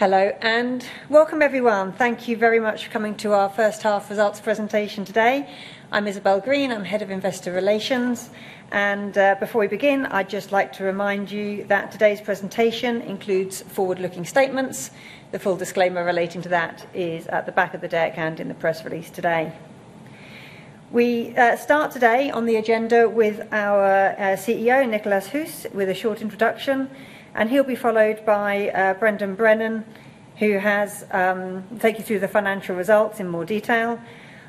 Hello, and welcome everyone. Thank you very much for coming to our first half results presentation today. I'm Isabel Green, I'm Head of Investor Relations. Before we begin, I'd just like to remind you that today's presentation includes forward-looking statements. The full disclaimer relating to that is at the back of the deck and in the press release today. We start today on the agenda with our CEO, Nicolas Huss, with a short introduction, and he'll be followed by Brendan Brennan, who has take you through the financial results in more detail.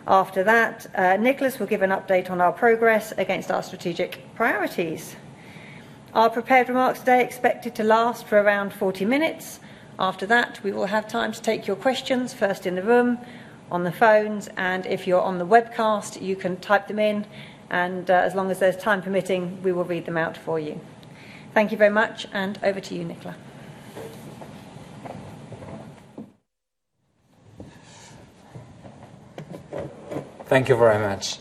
After that, Nicolas will give an update on our progress against our strategic priorities. Our prepared remarks today expected to last for around 40 minutes. After that, we will have time to take your questions, first in the room, on the phones, and if you're on the webcast, you can type them in, and as long as there's time permitting, we will read them out for you. Thank you very much, and over to you, Nicolas. Thank you very much.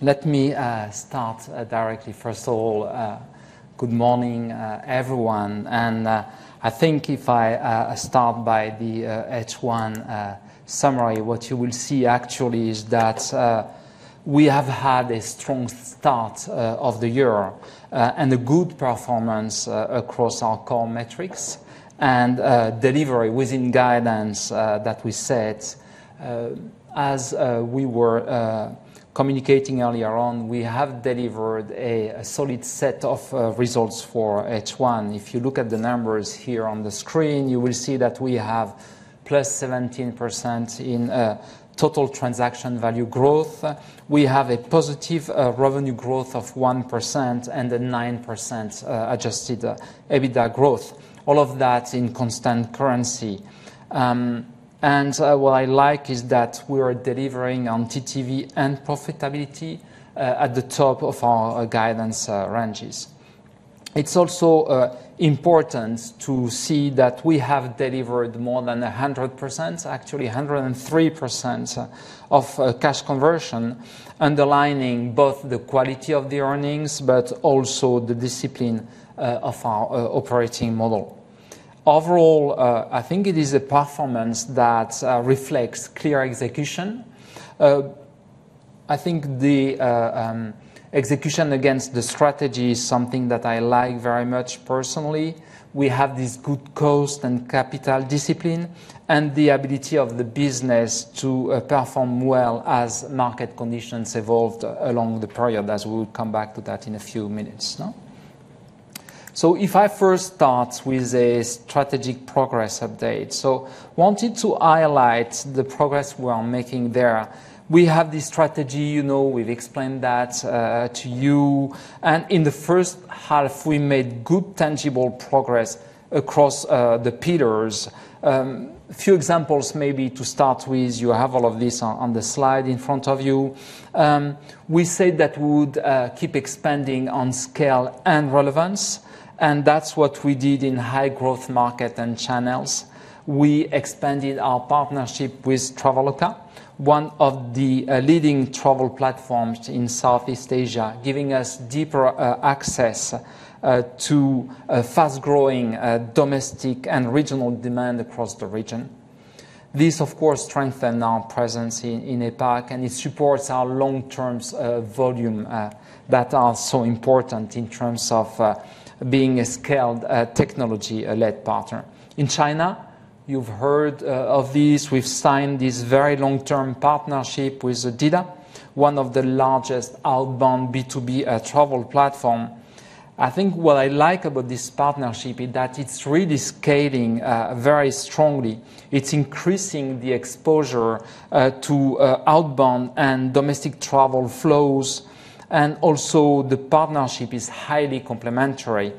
Let me start directly. First of all, good morning, everyone. I think if I start by the H1 summary, what you will see actually is that we have had a strong start of the year and a good performance across our core metrics and delivery within guidance that we set. As we were communicating earlier on, we have delivered a solid set of results for H1. If you look at the numbers here on the screen, you will see that we have +17% in total transaction value growth. We have a positive revenue growth of 1% and a 9% adjusted EBITDA growth. All of that in constant currency. What I like is that we are delivering on TTV and profitability at the top of our guidance ranges. It's also important to see that we have delivered more than 100%, actually 103%, of cash conversion, underlining both the quality of the earnings, but also the discipline of our operating model. Overall, I think it is a performance that reflects clear execution. I think the execution against the strategy is something that I like very much personally. We have this good cost and capital discipline and the ability of the business to perform well as market conditions evolved along the period, as we will come back to that in a few minutes, no? If I first start with a strategic progress update. Wanted to highlight the progress we are making there. We have this strategy, you know, we've explained that to you. In the first half, we made good tangible progress across the pillars. A few examples maybe to start with. You have all of this on the slide in front of you. We said that we would keep expanding on scale and relevance, and that's what we did in high growth market and channels. We expanded our partnership with Traveloka, one of the leading travel platforms in Southeast Asia, giving us deeper access to a fast-growing domestic and regional demand across the region. This, of course, strengthened our presence in APAC, and it supports our long-term volume that are so important in terms of being a scaled, technology-led partner. In China, you've heard of this. We've signed this very long-term partnership with Dida, one of the largest outbound B2B travel platform. I think what I like about this partnership is that it's really scaling very strongly. It's increasing the exposure to outbound and domestic travel flows, and also the partnership is highly complementary,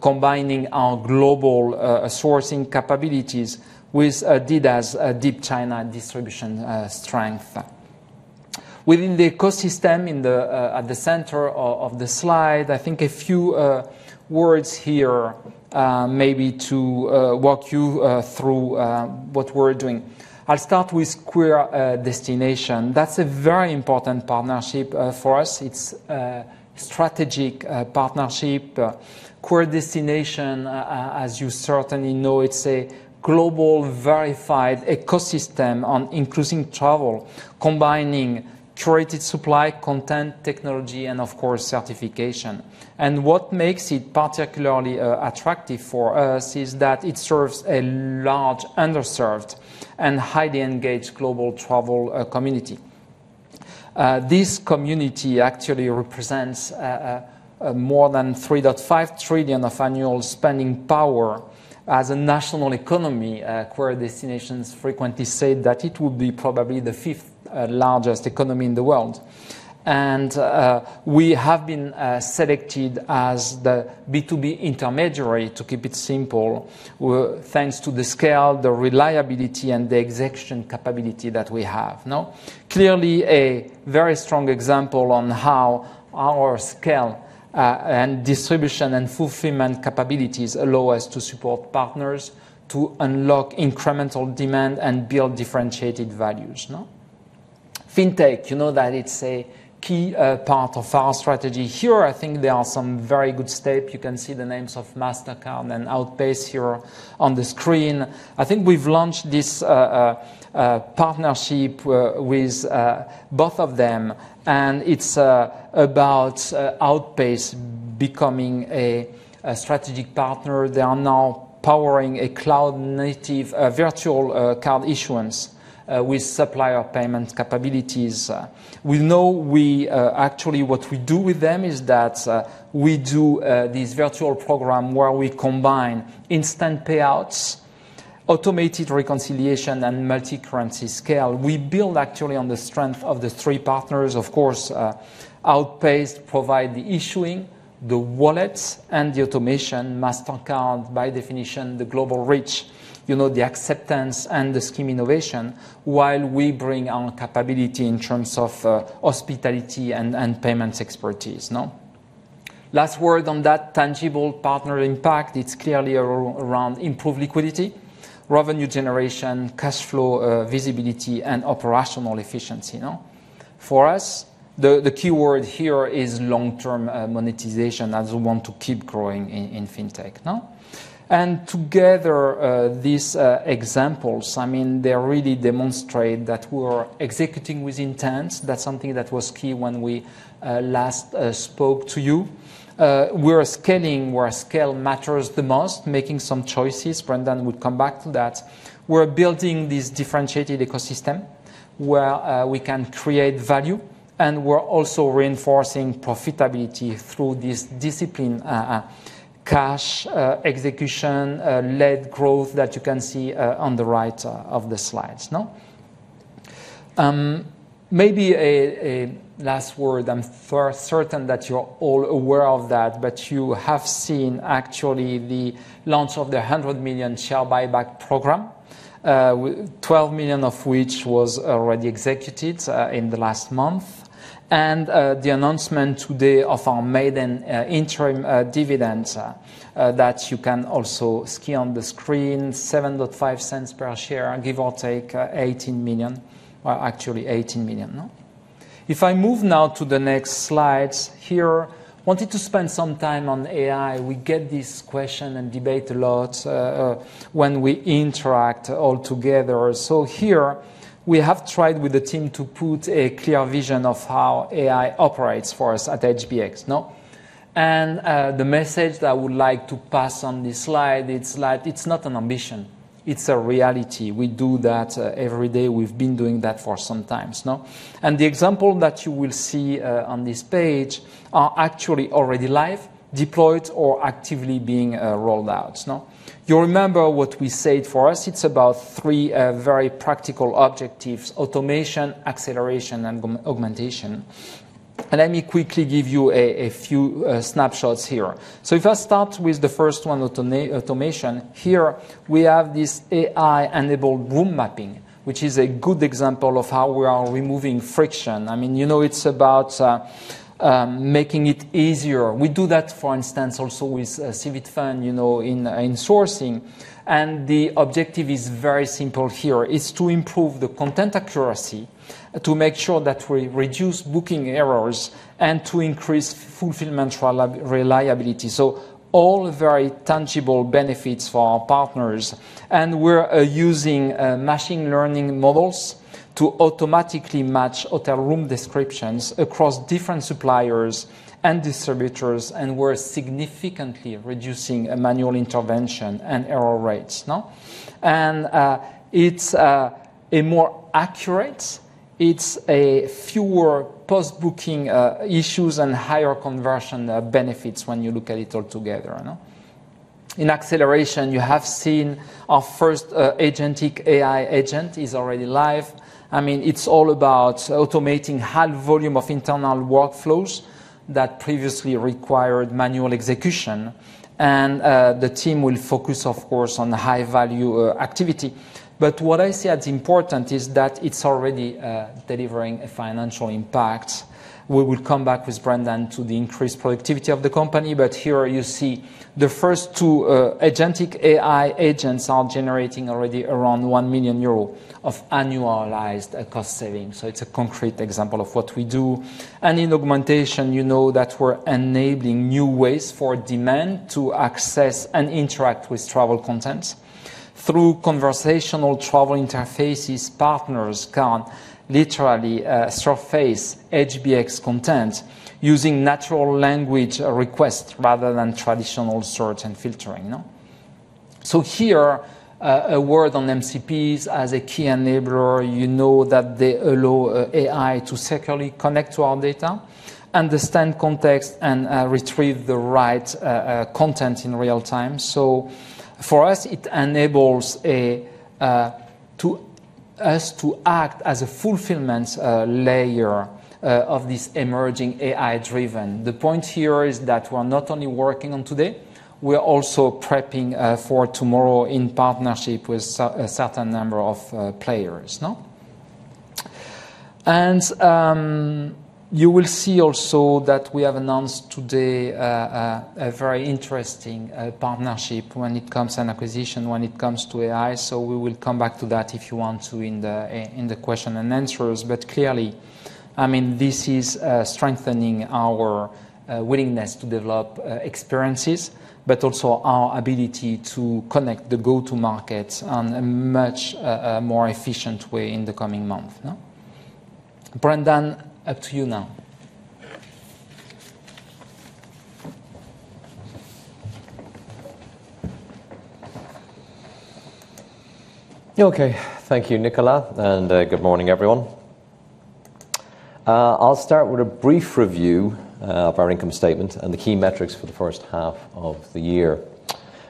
combining our global sourcing capabilities with Dida's deep China distribution strength. Within the ecosystem in the at the center of the slide, I think a few words here, maybe to walk you through what we're doing. I'll start with Queer Destinations. That's a very important partnership for us. It's a strategic partnership. Queer Destinations, as you certainly know, it's a global verified ecosystem on increasing travel, combining curated supply, content, technology, and of course, certification. What makes it particularly attractive for us is that it serves a large, underserved, and highly engaged global travel community. This community actually represents more than 3.5 trillion of annual spending power as a national economy. Queer Destinations frequently said that it would be probably the fifth largest economy in the world. We have been selected as the B2B intermediary to keep it simple. Thanks to the scale, the reliability, and the execution capability that we have. Clearly, a very strong example on how our scale and distribution and fulfillment capabilities allow us to support partners to unlock incremental demand and build differentiated values. Fintech, you know that it's a key part of our strategy. Here, I think there are some very good steps. You can see the names of Mastercard and Outpayce here on the screen. I think we've launched this partnership with both of them, and it's about Outpayce becoming a strategic partner. They are now powering a cloud-native virtual card issuance with supplier payment capabilities. Actually, what we do with them is that we do this virtual program where we combine instant payouts, automated reconciliation, and multicurrency scale. We build actually on the strength of the three partners. Of course, Outpayce provide the issuing, the wallets, and the automation. Mastercard, by definition, the global reach, you know, the acceptance and the scheme innovation, while we bring our capability in terms of hospitality and payments expertise, no? Last word on that tangible partner impact, it's clearly around improved liquidity, revenue generation, cash flow, visibility, and operational efficiency, no? For us, the key word here is long-term monetization as we want to keep growing in Fintech, no? Together, these examples, I mean, they really demonstrate that we're executing with intent. That's something that was key when we last spoke to you. We're scaling where scale matters the most, making some choices. Brendan would come back to that. We're building this differentiated ecosystem where we can create value, and we're also reinforcing profitability through this discipline, cash execution-led growth that you can see on the right of the slides, no? Maybe a last word. I'm far certain that you're all aware of that, but you have seen actually the launch of the 100 million share buyback program, 12 million of which was already executed in the last month. The announcement today of our maiden interim dividends, that you can also see on the screen, 0.075 per share, give or take, 18 million. Well, actually 18 million, no? If I move now to the next slides here, wanted to spend some time on AI. We get this question and debate a lot when we interact all together. Here we have tried with the team to put a clear vision of how AI operates for us at HBX, no? The message that I would like to pass on this slide, it's like it's not an ambition, it's a reality. We do that every day. We've been doing that for some times, no. The example that you will see on this page are actually already live, deployed, or actively being rolled out, no. You remember what we said. For us, it's about three very practical objectives: automation, acceleration, and augmentation. Let me quickly give you a few snapshots here. If I start with the first one, automation, here we have this AI-enabled room mapping, which is a good example of how we are removing friction. I mean, you know, it's about making it easier. We do that, for instance, also with Civitfun, you know, in sourcing. The objective is very simple here. It's to improve the content accuracy to make sure that we reduce booking errors and to increase fulfillment reliability. All very tangible benefits for our partners. We're using machine learning models to automatically match hotel room descriptions across different suppliers and distributors, and we're significantly reducing manual intervention and error rates, no? It's a more accurate, it's a fewer post-booking issues and higher conversion benefits when you look at it all together, you know? In acceleration, you have seen our first agentic AI agent is already live. I mean, it's all about automating high volume of internal workflows that previously required manual execution. The team will focus, of course, on high-value activity. What I see as important is that it's already delivering a financial impact. We will come back with Brendan to the increased productivity of the company. Here you see the first two agentic AI agents are generating already around 1 million euro of annualized cost savings. It's a concrete example of what we do. In augmentation, you know that we're enabling new ways for demand to access and interact with travel content. Through conversational travel interfaces, partners can literally surface HBX content using natural language requests rather than traditional search and filtering, no? Here, a word on MCPs as a key enabler. You know that they allow AI to securely connect to our data, understand context, and retrieve the right content in real time. For us, it enables us to act as a fulfillment layer of this emerging AI-driven. The point here is that we're not only working on today, we're also prepping for tomorrow in partnership with a certain number of players, no? You will see also that we have announced today a very interesting partnership when it comes, and acquisition when it comes to AI. We will come back to that if you want to in the question and answers. Clearly, I mean, this is strengthening our willingness to develop experiences, but also our ability to connect the go-to-markets on a much more efficient way in the coming month. No? Brendan, up to you now. Okay. Thank you, Nicolas, and good morning, everyone. I'll start with a brief review of our income statement and the key metrics for the first half of the year.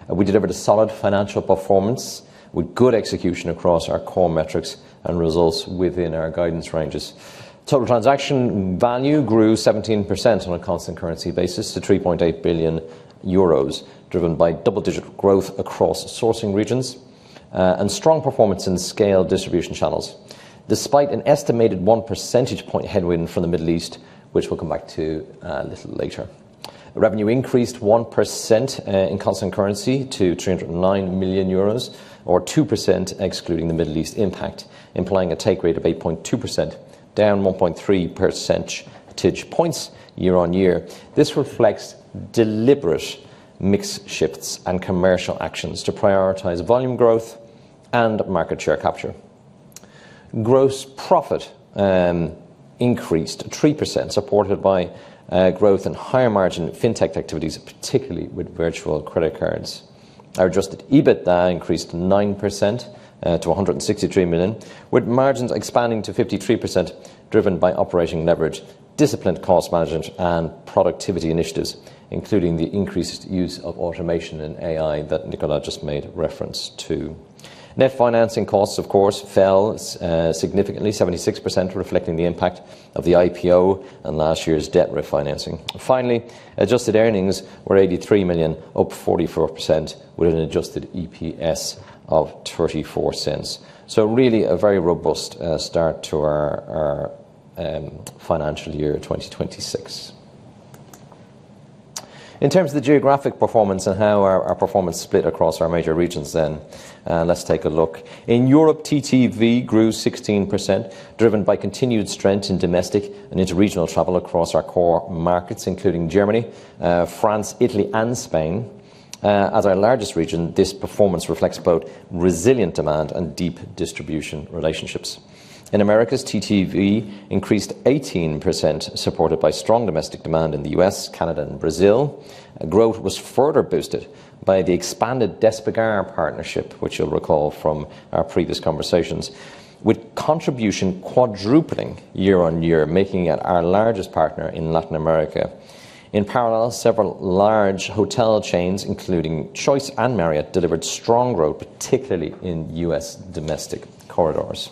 We delivered a solid financial performance with good execution across our core metrics and results within our guidance ranges. Total transaction value grew 17% on a constant currency basis to 3.8 billion euros, driven by double-digit growth across sourcing regions and strong performance in scale distribution channels, despite an estimated 1 percentage point headwind from the Middle East, which we'll come back to a little later. Revenue increased 1% in constant currency to 309 million euros, or 2% excluding the Middle East impact, implying a take rate of 8.2%, down 1.3 percentage points year-on-year. This reflects deliberate mix shifts and commercial actions to prioritize volume growth and market share capture. Gross profit increased 3%, supported by growth in higher-margin Fintech activities, particularly with virtual credit cards. Our adjusted EBITDA increased 9% to 163 million, with margins expanding to 53%, driven by operating leverage, disciplined cost management, and productivity initiatives, including the increased use of automation and AI that Nicolas just made reference to. Net financing costs, of course, fell significantly, 76%, reflecting the impact of the IPO and last year's debt refinancing. Adjusted earnings were 83 million, up 44% with an adjusted EPS of 0.34. Really a very robust start to our financial year 2026. In terms of the geographic performance and how our performance split across our major regions, let's take a look. In Europe, TTV grew 16%, driven by continued strength in domestic and interregional travel across our core markets, including Germany, France, Italy, and Spain. As our largest region, this performance reflects both resilient demand and deep distribution relationships. In Americas, TTV increased 18%, supported by strong domestic demand in the U.S., Canada, and Brazil. Growth was further boosted by the expanded Despegar partnership, which you'll recall from our previous conversations, with contribution quadrupling year-on-year, making it our largest partner in Latin America. In parallel, several large hotel chains, including Choice and Marriott, delivered strong growth, particularly in U.S. domestic corridors.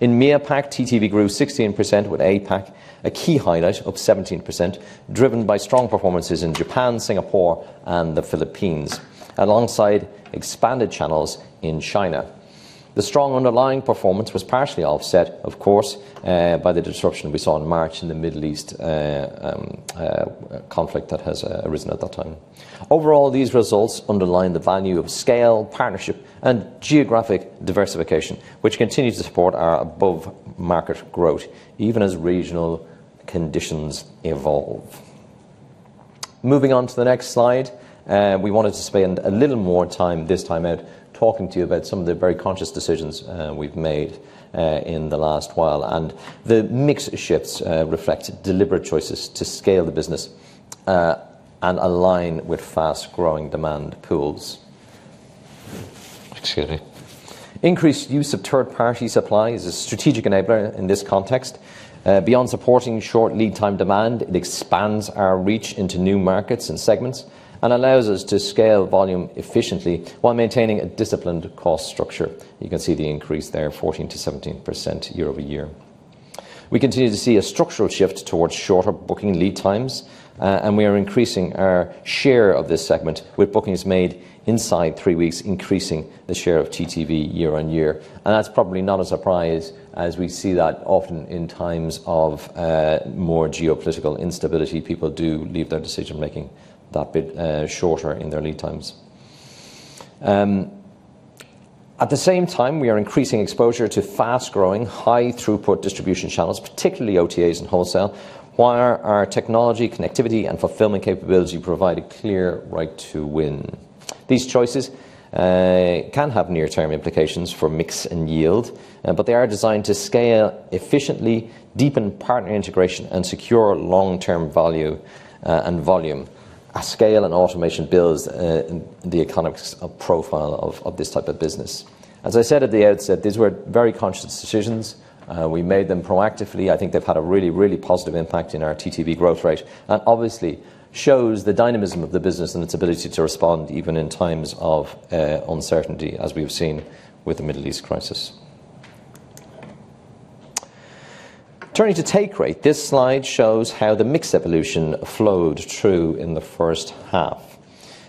In MEAPAC, TTV grew 16%, with APAC a key highlight, up 17%, driven by strong performances in Japan, Singapore, and the Philippines, alongside expanded channels in China. The strong underlying performance was partially offset, of course, by the disruption we saw in March in the Middle East conflict that has arisen at that time. Overall, these results underline the value of scale, partnership, and geographic diversification, which continues to support our above-market growth, even as regional conditions evolve. Moving on to the next slide, we wanted to spend a little more time this time out talking to you about some of the very conscious decisions we've made in the last while, and the mix shifts reflect deliberate choices to scale the business and align with fast-growing demand pools. Excuse me. Increased use of third-party supply is a strategic enabler in this context. Beyond supporting short lead time demand, it expands our reach into new markets and segments and allows us to scale volume efficiently while maintaining a disciplined cost structure. You can see the increase there, 14%-17% year-over-year. We continue to see a structural shift towards shorter booking lead times. We are increasing our share of this segment with bookings made inside three weeks, increasing the share of TTV year-on-year. That's probably not a surprise, as we see that often in times of more geopolitical instability. People do leave their decision-making that bit shorter in their lead times. At the same time, we are increasing exposure to fast-growing, high-throughput distribution channels, particularly OTAs and wholesale, while our technology, connectivity, and fulfillment capability provide a clear right to win. These choices can have near-term implications for mix and yield, but they are designed to scale efficiently, deepen partner integration, and secure long-term value and volume. Scale and automation builds the economics of profile of this type of business. As I said at the outset, these were very conscious decisions. We made them proactively. I think they've had a really positive impact in our TTV growth rate and obviously shows the dynamism of the business and its ability to respond even in times of uncertainty, as we've seen with the Middle East crisis. Turning to take rate, this slide shows how the mix evolution flowed through in the first half.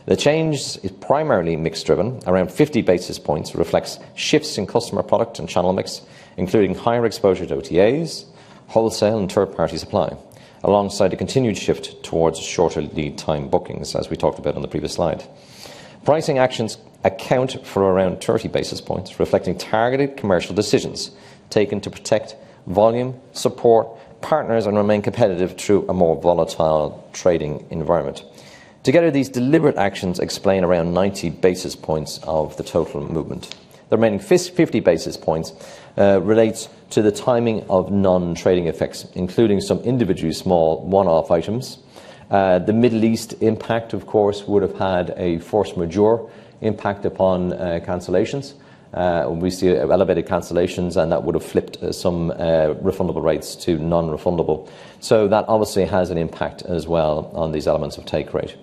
The change is primarily mix-driven. Around 50 basis points reflects shifts in customer product and channel mix, including higher exposure to OTAs, wholesale, and third-party supply, alongside a continued shift towards shorter lead time bookings, as we talked about on the previous slide. Pricing actions account for around 30 basis points, reflecting targeted commercial decisions taken to protect volume, support partners, and remain competitive through a more volatile trading environment. Together, these deliberate actions explain around 90 basis points of the total movement. The remaining 50 basis points relates to the timing of non-trading effects, including some individually small one-off items. The Middle East impact, of course, would have had a force majeure impact upon cancellations. We see elevated cancellations, and that would have flipped some refundable rates to non-refundable. That obviously has an impact as well on these elements of take rate.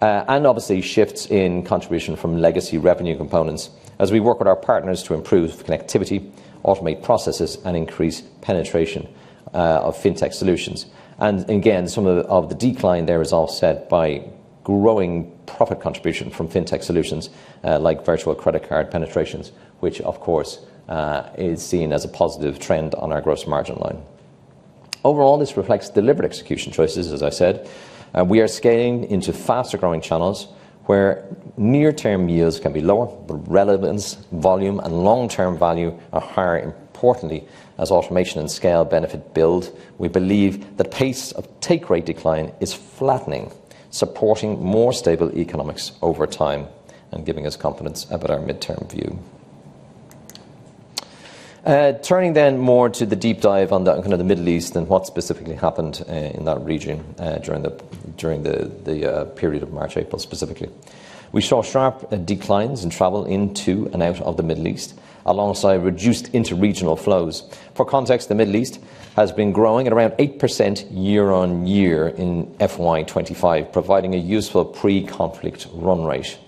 Obviously shifts in contribution from legacy revenue components as we work with our partners to improve connectivity, automate processes, and increase penetration of Fintech solutions. Some of the decline there is offset by growing profit contribution from Fintech solutions, like virtual credit card penetrations, which of course, is seen as a positive trend on our gross margin line. Overall, this reflects deliberate execution choices, as I said. We are scaling into faster-growing channels where near-term yields can be lower, but relevance, volume, and long-term value are higher. Importantly, as automation and scale benefit build, we believe the pace of take rate decline is flattening, supporting more stable economics over time and giving us confidence about our midterm view. Turning then more to the deep dive on the kind of the Middle East and what specifically happened in that region during the period of March, April, specifically. We saw sharp declines in travel into and out of the Middle East, alongside reduced interregional flows. For context, the Middle East has been growing at around 8% year-on-year in FY 2025, providing a useful pre-conflict run rate.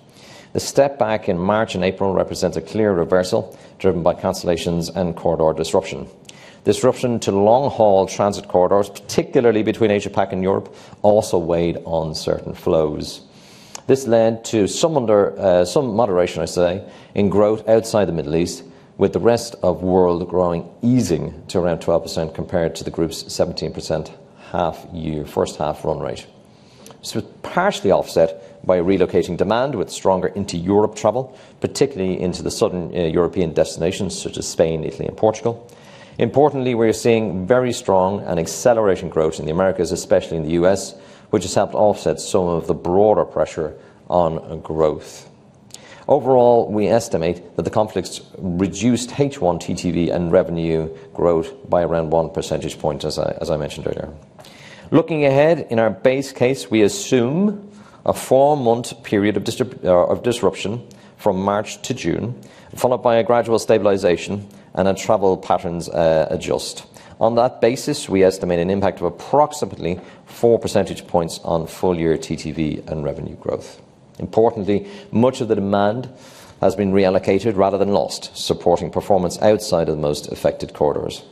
The step back in March and April represents a clear reversal driven by cancellations and corridor disruption. Disruption to long-haul transit corridors, particularly between Asia-Pac and Europe, also weighed on certain flows. This led to some under, some moderation, I say, in growth outside the Middle East, with the rest of world growing easing to around 12% compared to the group's 17% half-year, first half run rate. This was partially offset by relocating demand with stronger into Europe travel, particularly into the southern European destinations such as Spain, Italy, and Portugal. Importantly, we're seeing very strong and acceleration growth in the Americas, especially in the U.S., which has helped offset some of the broader pressure on growth. Overall, we estimate that the conflicts reduced H1 TTV and revenue growth by around 1 percentage point, as I mentioned earlier. Looking ahead, in our base case, we assume a four-month period of disruption from March to June, followed by a gradual stabilization and then travel patterns adjust. On that basis, we estimate an impact of approximately 4 percentage points on full-year TTV and revenue growth. Importantly, much of the demand has been reallocated rather than lost, supporting performance outside of the most affected corridors.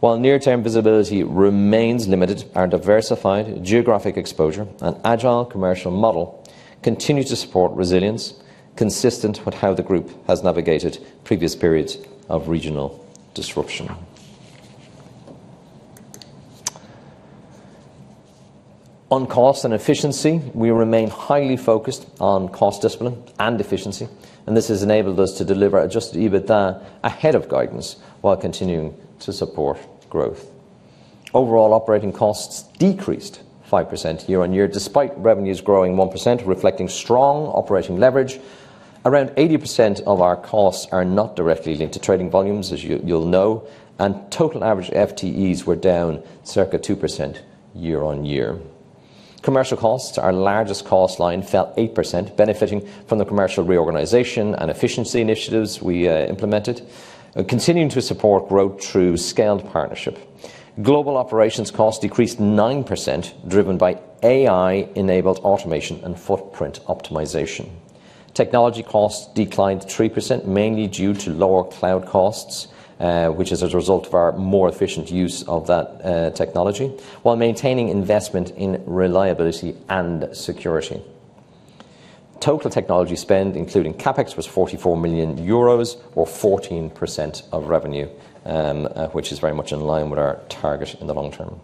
While near-term visibility remains limited, our diversified geographic exposure and agile commercial model continue to support resilience consistent with how the group has navigated previous periods of regional disruption. On cost and efficiency, we remain highly focused on cost discipline and efficiency. This has enabled us to deliver adjusted EBITDA ahead of guidance while continuing to support growth. Overall operating costs decreased 5% year-on-year, despite revenues growing 1%, reflecting strong operating leverage. Around 80% of our costs are not directly linked to trading volumes, as you'll know. Total average FTEs were down circa 2% year-on-year. Commercial costs, our largest cost line, fell 8%, benefiting from the commercial reorganization and efficiency initiatives we implemented, continuing to support growth through scaled partnership. Global operations costs decreased 9%, driven by AI-enabled automation and footprint optimization. Technology costs declined 3%, mainly due to lower cloud costs, which is as a result of our more efficient use of that technology, while maintaining investment in reliability and security. Total technology spend, including CapEx, was 44 million euros or 14% of revenue, which is very much in line with our target in the long term.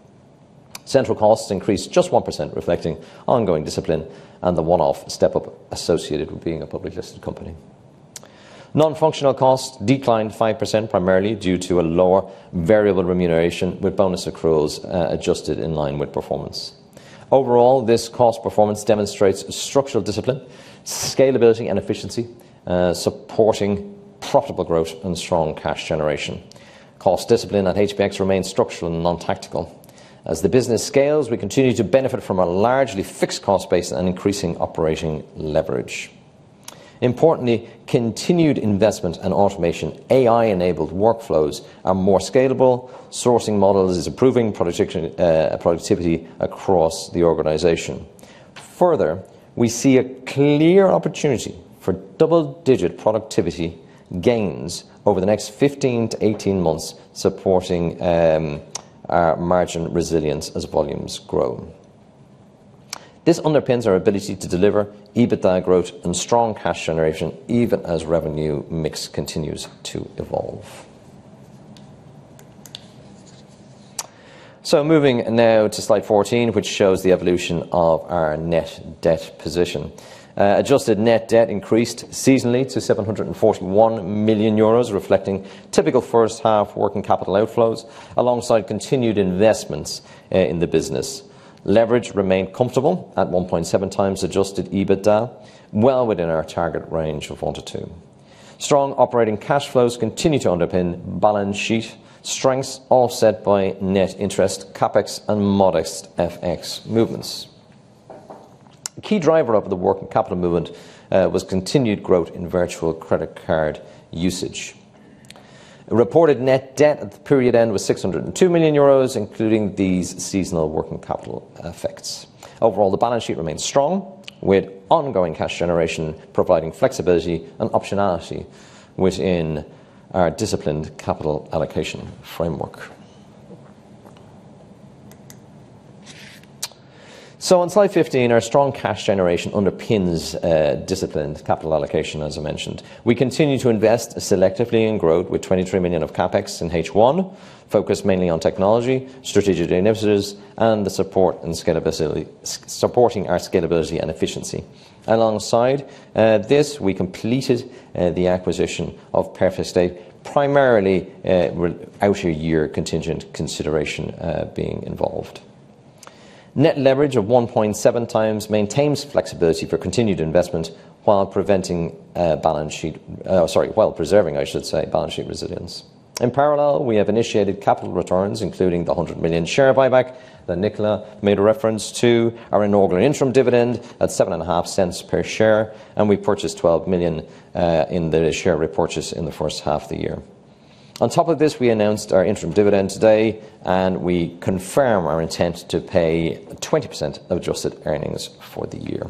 Central costs increased just 1%, reflecting ongoing discipline and the one-off step-up associated with being a publicly listed company. Non-functional costs declined 5%, primarily due to a lower variable remuneration, with bonus accruals adjusted in line with performance. Overall, this cost performance demonstrates structural discipline, scalability, and efficiency, supporting profitable growth and strong cash generation. Cost discipline at HBX remains structural and non-tactical. As the business scales, we continue to benefit from a largely fixed cost base and increasing operating leverage. Importantly, continued investment in automation, AI-enabled workflows are more scalable. Sourcing models is improving productivity across the organization. We see a clear opportunity for double-digit productivity gains over the next 15 to 18 months, supporting our margin resilience as volumes grow. This underpins our ability to deliver EBITDA growth and strong cash generation even as revenue mix continues to evolve. Moving now to slide 14, which shows the evolution of our net debt position. Adjusted net debt increased seasonally to 741 million euros, reflecting typical first half working capital outflows alongside continued investments in the business. Leverage remained comfortable at 1.7x adjusted EBITDA, well within our target range of one to two. Strong operating cash flows continue to underpin balance sheet strengths offset by net interest CapEx and modest FX movements. A key driver of the working capital movement was continued growth in virtual credit card usage. Reported net debt at the period end was 602 million euros, including these seasonal working capital effects. Overall, the balance sheet remains strong, with ongoing cash generation providing flexibility and optionality within our disciplined capital allocation framework. On slide 15, our strong cash generation underpins disciplined capital allocation, as I mentioned. We continue to invest selectively in growth with 23 million of CapEx in H1 focused mainly on technology, strategic initiatives, and supporting our scalability and efficiency. Alongside this, we completed the acquisition of PerfectStay primarily without a year contingent consideration being involved. Net leverage of 1.7x maintains flexibility for continued investment while preserving balance sheet resilience. In parallel, we have initiated capital returns, including the 100 million share buyback that Nicolas made a reference to, our inaugural interim dividend at 0.075 per share, and we purchased 12 million in the share repurchase in the first half of the year. On top of this, we announced our interim dividend today, and we confirm our intent to pay 20% of adjusted earnings for the year.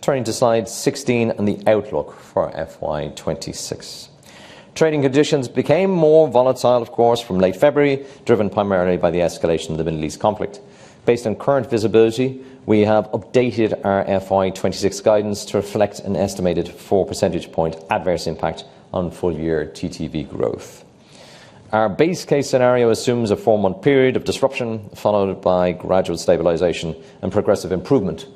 Turning to slide 16 and the outlook for FY 2026. Trading conditions became more volatile, of course, from late February, driven primarily by the escalation of the Middle East conflict. Based on current visibility, we have updated our FY 2026 guidance to reflect an estimated 4 percentage point adverse impact on full-year TTV growth. Our base case scenario assumes a four-month period of disruption, followed by gradual stabilization and progressive improvement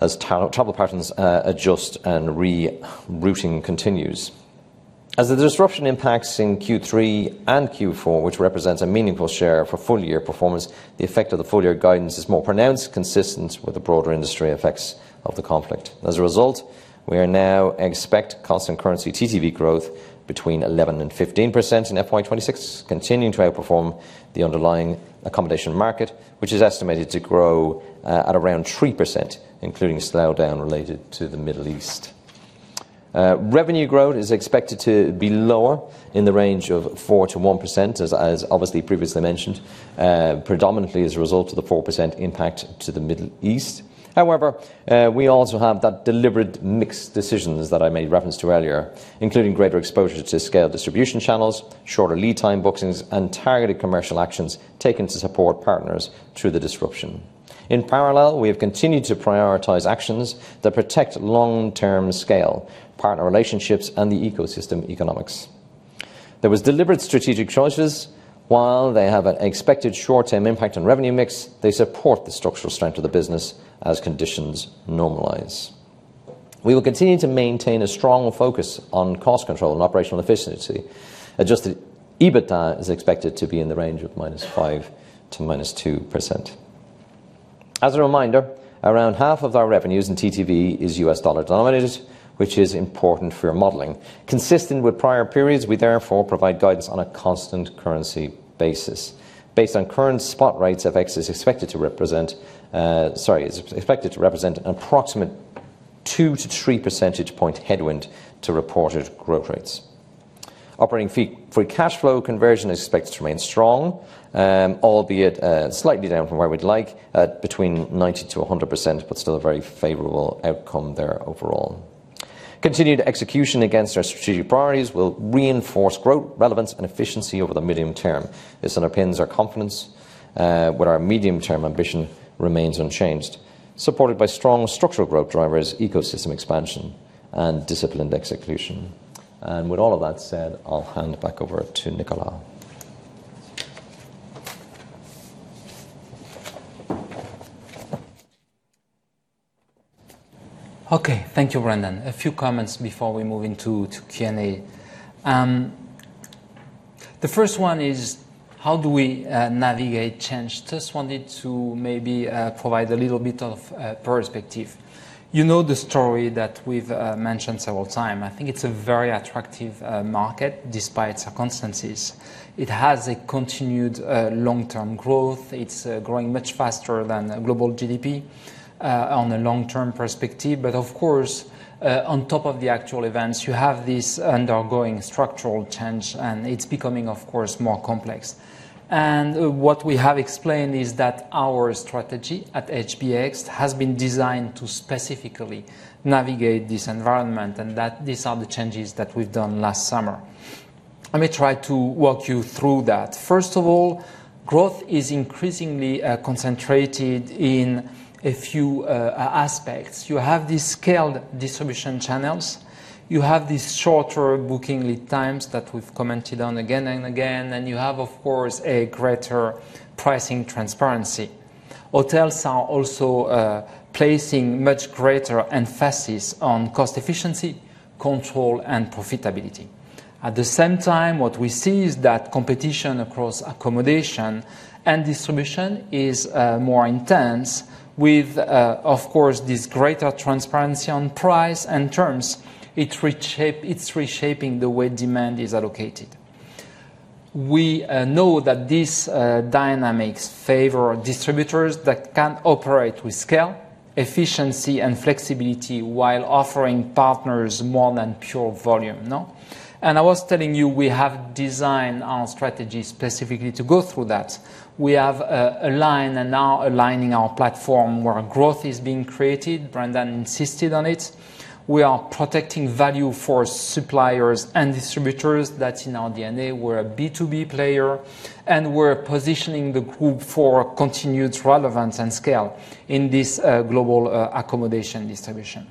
as travel patterns adjust and rerouting continues. As the disruption impacts in Q3 and Q4, which represents a meaningful share for full-year performance, the effect of the full-year guidance is more pronounced, consistent with the broader industry effects of the conflict. As a result, we are now expect constant currency TTV growth between 11% and 15% in FY 2026, continuing to outperform the underlying accommodation market, which is estimated to grow at around 3%, including a slowdown related to the Middle East. Revenue growth is expected to be lower in the range of 4%-1% as obviously previously mentioned, predominantly as a result of the 4% impact to the Middle East. We also have that deliberate mixed decisions that I made reference to earlier, including greater exposure to scale distribution channels, shorter lead time bookings, and targeted commercial actions taken to support partners through the disruption. In parallel, we have continued to prioritize actions that protect long-term scale, partner relationships, and the ecosystem economics. There was deliberate strategic choices. While they have an expected short-term impact on revenue mix, they support the structural strength of the business as conditions normalize. We will continue to maintain a strong focus on cost control and operational efficiency. Adjusted EBITDA is expected to be in the range of -5% to -2%. As a reminder, around half of our revenues in TTV is US dollar denominated, which is important for your modeling. Consistent with prior periods, we therefore provide guidance on a constant currency basis. Based on current spot rates, FX is expected to represent an approximate 2 to 3 percentage point headwind to reported growth rates. Operating free cash flow conversion is expected to remain strong, albeit slightly down from where we'd like, at between 90%-100%, but still a very favorable outcome there overall. Continued execution against our strategic priorities will reinforce growth, relevance, and efficiency over the medium term. This underpins our confidence, where our medium-term ambition remains unchanged, supported by strong structural growth drivers, ecosystem expansion, and disciplined execution. With all of that said, I'll hand it back over to Nicolas. Okay. Thank you, Brendan. A few comments before we move into Q&A. The first one is: How do we navigate change? Just wanted to maybe provide a little bit of perspective. You know the story that we've mentioned several times. I think it's a very attractive market despite circumstances. It has a continued long-term growth. It's growing much faster than global GDP on the long-term perspective. Of course, on top of the actual events, you have this underlying structural change, and it's becoming, of course, more complex. What we have explained is that our strategy at HBX has been designed to specifically navigate this environment, and that these are the changes that we've done last summer. Let me try to walk you through that. First of all, growth is increasingly concentrated in a few aspects. You have these scaled distribution channels, you have these shorter booking lead times that we've commented on again and again, and you have, of course, a greater pricing transparency. Hotels are also placing much greater emphasis on cost efficiency, control, and profitability. At the same time, what we see is that competition across accommodation and distribution is more intense with, of course, this greater transparency on price and terms. It's reshaping the way demand is allocated. We know that these dynamics favor distributors that can operate with scale, efficiency and flexibility while offering partners more than pure volume, no? I was telling you, we have designed our strategy specifically to go through that. We have aligned and are aligning our platform where growth is being created. Brendan insisted on it. We are protecting value for suppliers and distributors. That's in our DNA. We're a B2B player, and we're positioning the group for continued relevance and scale in this global accommodation distribution.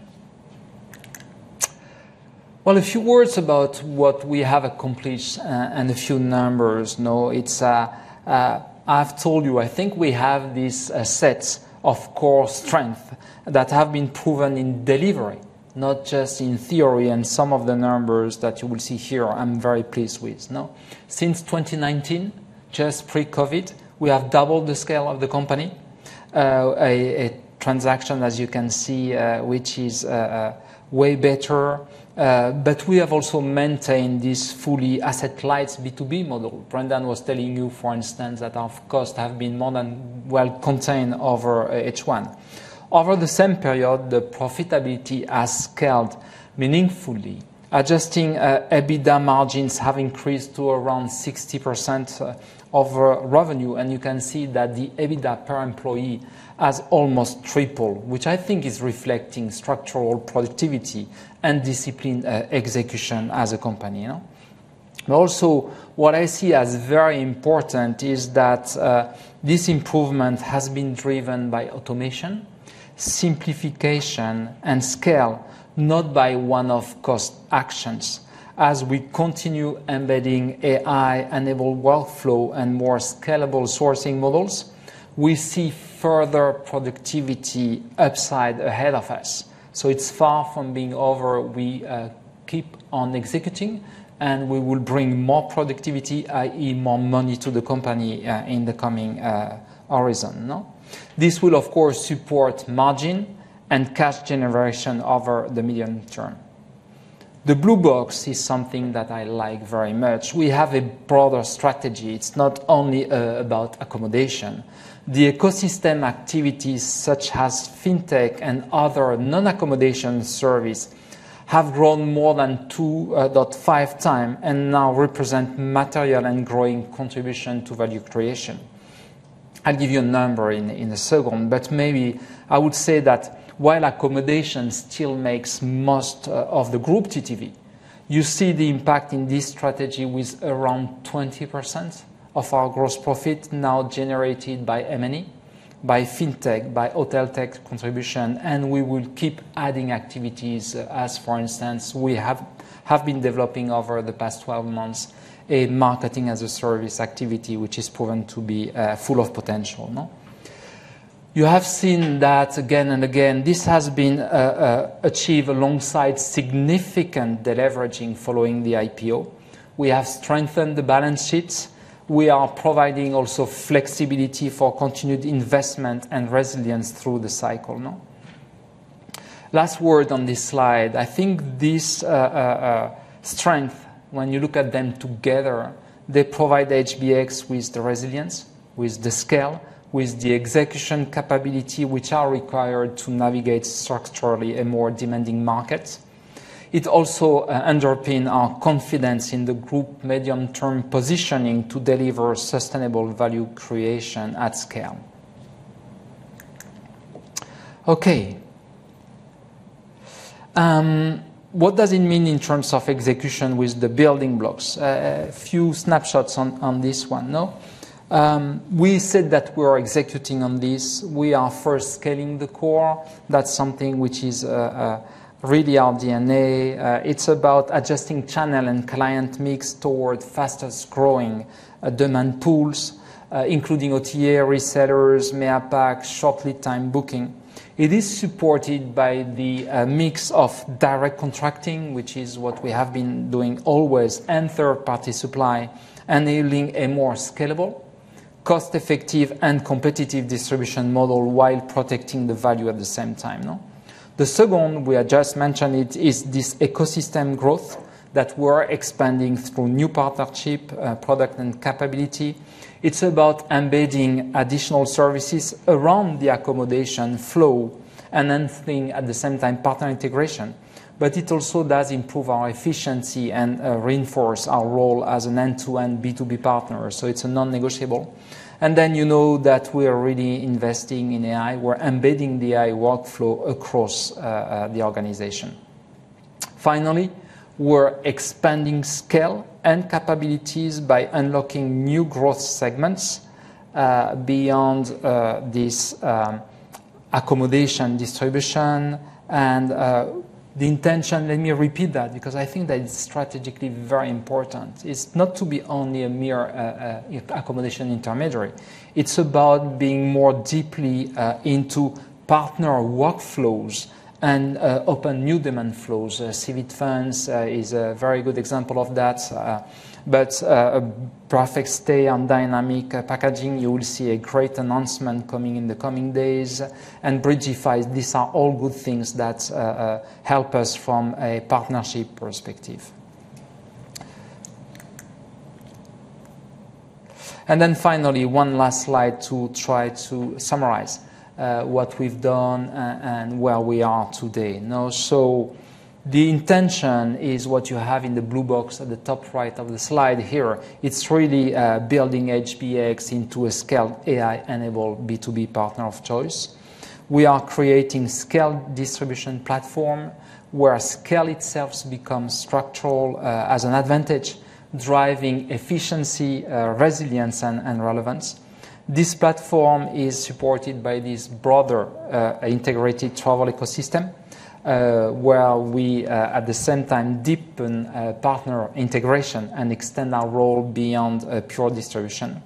Well, a few words about what we have accomplished and a few numbers. No, it's, I've told you, I think we have these assets of core strength that have been proven in delivery, not just in theory. Some of the numbers that you will see here, I'm very pleased with. Now, since 2019, just pre-COVID, we have doubled the scale of the company. A transaction, as you can see, which is way better. We have also maintained this fully asset-light B2B model. Brendan was telling you, for instance, that our costs have been more than well contained over H1. Over the same period, the profitability has scaled meaningfully. Adjusting EBITDA margins have increased to around 60% of revenue, and you can see that the EBITDA per employee has almost tripled, which I think is reflecting structural productivity and disciplined execution as a company. What I see as very important is that this improvement has been driven by automation, simplification and scale, not by one-off cost actions. As we continue embedding AI-enabled workflow and more scalable sourcing models, we see further productivity upside ahead of us. It's far from being over. We keep on executing, and we will bring more productivity, i.e., more money to the company in the coming horizon, no? This will, of course, support margin and cash generation over the medium term. The blue box is something that I like very much. We have a broader strategy. It's not only about accommodation. The ecosystem activities such as Fintech and other non-accommodation service have grown more than 2.5x and now represent material and growing contribution to value creation. I'll give you a number in a second, but maybe I would say that while accommodation still makes most of the group TTV, you see the impact in this strategy with around 20% of our gross profit now generated by M&E, by Fintech, by hotel tech contribution, and we will keep adding activities as, for instance, we have been developing over the past 12 months a marketing-as-a-service activity which is proven to be full of potential, no? You have seen that again and again. This has been achieved alongside significant deleveraging following the IPO. We have strengthened the balance sheets. We are providing also flexibility for continued investment and resilience through the cycle, no? Last word on this slide. I think this strength, when you look at them together, they provide HBX with the resilience, with the scale, with the execution capability which are required to navigate structurally a more demanding market. It also underpin our confidence in the group medium-term positioning to deliver sustainable value creation at scale. Okay. What does it mean in terms of execution with the building blocks? A few snapshots on this one, no? We said that we are executing on this. We are first scaling the core. That's something which is really our DNA. It's about adjusting channel and client mix toward fastest growing demand pools, including OTA, resellers, MEAPAC, short lead time booking. It is supported by the mix of direct contracting, which is what we have been doing always, and third-party supply, enabling a more scalable, cost-effective, and competitive distribution model while protecting the value at the same time. The second we are just mentioning it is this ecosystem growth that we're expanding through new partnership, product and capability. It's about embedding additional services around the accommodation flow and enhancing at the same time partner integration. It also does improve our efficiency and reinforce our role as an end-to-end B2B partner, so it's a non-negotiable. You know that we are really investing in AI. We're embedding the AI workflow across the organization. Finally, we're expanding scale and capabilities by unlocking new growth segments beyond this accommodation distribution and the intention. Let me repeat that because I think that it's strategically very important. It's not to be only a mere accommodation intermediary. It's about being more deeply into partner workflows and open new demand flows. Civitfun is a very good example of that. PerfectStay on dynamic packaging, you will see a great announcement coming in the coming days. Bridgify, these are all good things that help us from a partnership perspective. Finally, one last slide to try to summarize what we've done and where we are today. The intention is what you have in the blue box at the top right of the slide here. It's really building HBX into a scaled AI-enabled B2B partner of choice. We are creating scaled distribution platform, where scale itself becomes structural as an advantage, driving efficiency, resilience and relevance. This platform is supported by this broader integrated travel ecosystem, where we at the same time deepen partner integration and extend our role beyond a pure distribution.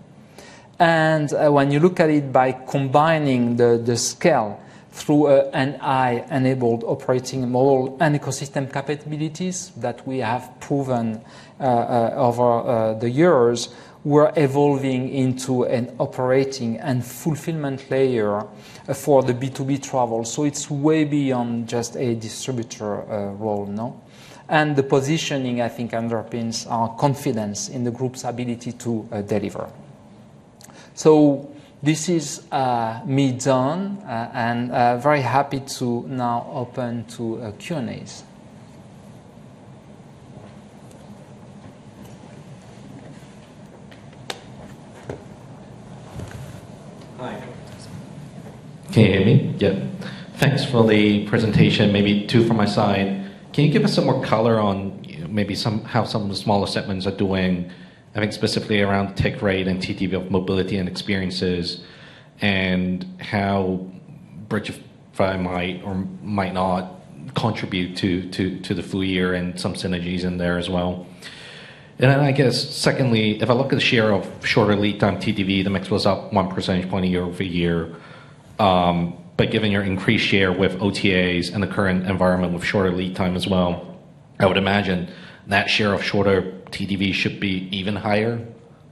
When you look at it by combining the scale through an AI-enabled operating model and ecosystem capabilities that we have proven over the years, we're evolving into an operating and fulfillment layer for the B2B travel. It's way beyond just a distributor role. No? The positioning, I think, underpins our confidence in the group's ability to deliver. This is me done, and very happy to now open to Q&As. Hi. Can you hear me? Yeah. Thanks for the presentation. Maybe two from my side. Can you give us some more color on maybe how some of the smaller segments are doing? I think specifically around take rate and TTV of mobility and experiences, and how Bridgify might or might not contribute to the full year and some synergies in there as well. I guess, secondly, if I look at the share of shorter lead time TTV, the mix was up 1 percentage point year-over-year. Given your increased share with OTAs and the current environment with shorter lead time as well, I would imagine that share of shorter TTV should be even higher.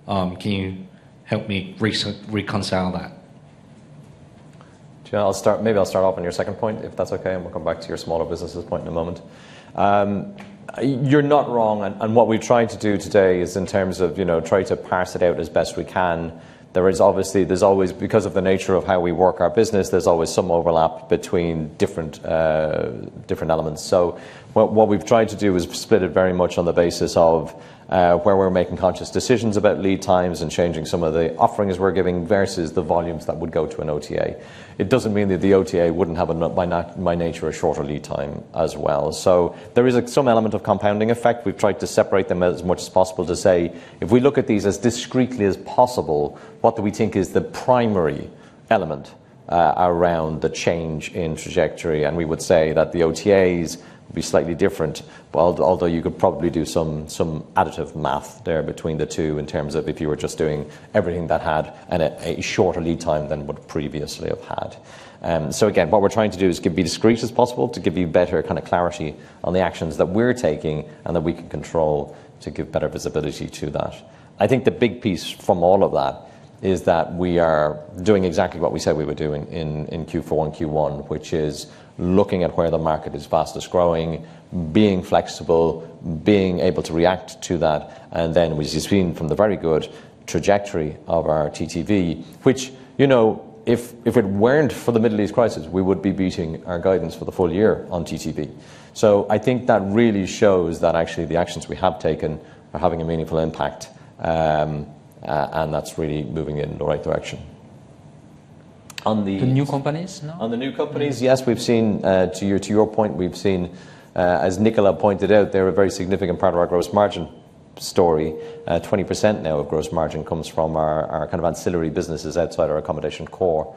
Can you help me reconcile that? I'll start off on your second point, if that's okay, and we'll come back to your smaller businesses point in a moment. You're not wrong. What we're trying to do today is in terms of, you know, try to parse it out as best we can. There's always because of the nature of how we work our business, there's always some overlap between different elements. What we've tried to do is split it very much on the basis of where we're making conscious decisions about lead times and changing some of the offerings we're giving versus the volumes that would go to an OTA. It doesn't mean that the OTA wouldn't have by nature, a shorter lead time as well. There is some element of compounding effect. We've tried to separate them as much as possible to say, if we look at these as discretely as possible, what do we think is the primary element around the change in trajectory? We would say that the OTAs would be slightly different. Well, although you could probably do some additive math there between the two in terms of if you were just doing everything that had a shorter lead time than would previously have had. Again, what we're trying to do is be discrete as possible to give you better kind of clarity on the actions that we're taking and that we can control to give better visibility to that. I think the big piece from all of that is that we are doing exactly what we said we were doing in Q4 and Q1, which is looking at where the market is fastest-growing, being flexible, being able to react to that. We've seen from the very good trajectory of our TTV, which, you know, if it weren't for the Middle East crisis, we would be beating our guidance for the full year on TTV. I think that really shows that actually the actions we have taken are having a meaningful impact, and that's really moving it in the right direction. The new companies now? On the new companies? Yeah. Yes, we've seen, to your, to your point, we've seen, as Nicolas pointed out, they're a very significant part of our gross margin story. 20% now of gross margin comes from our kind of ancillary businesses outside our accommodation core.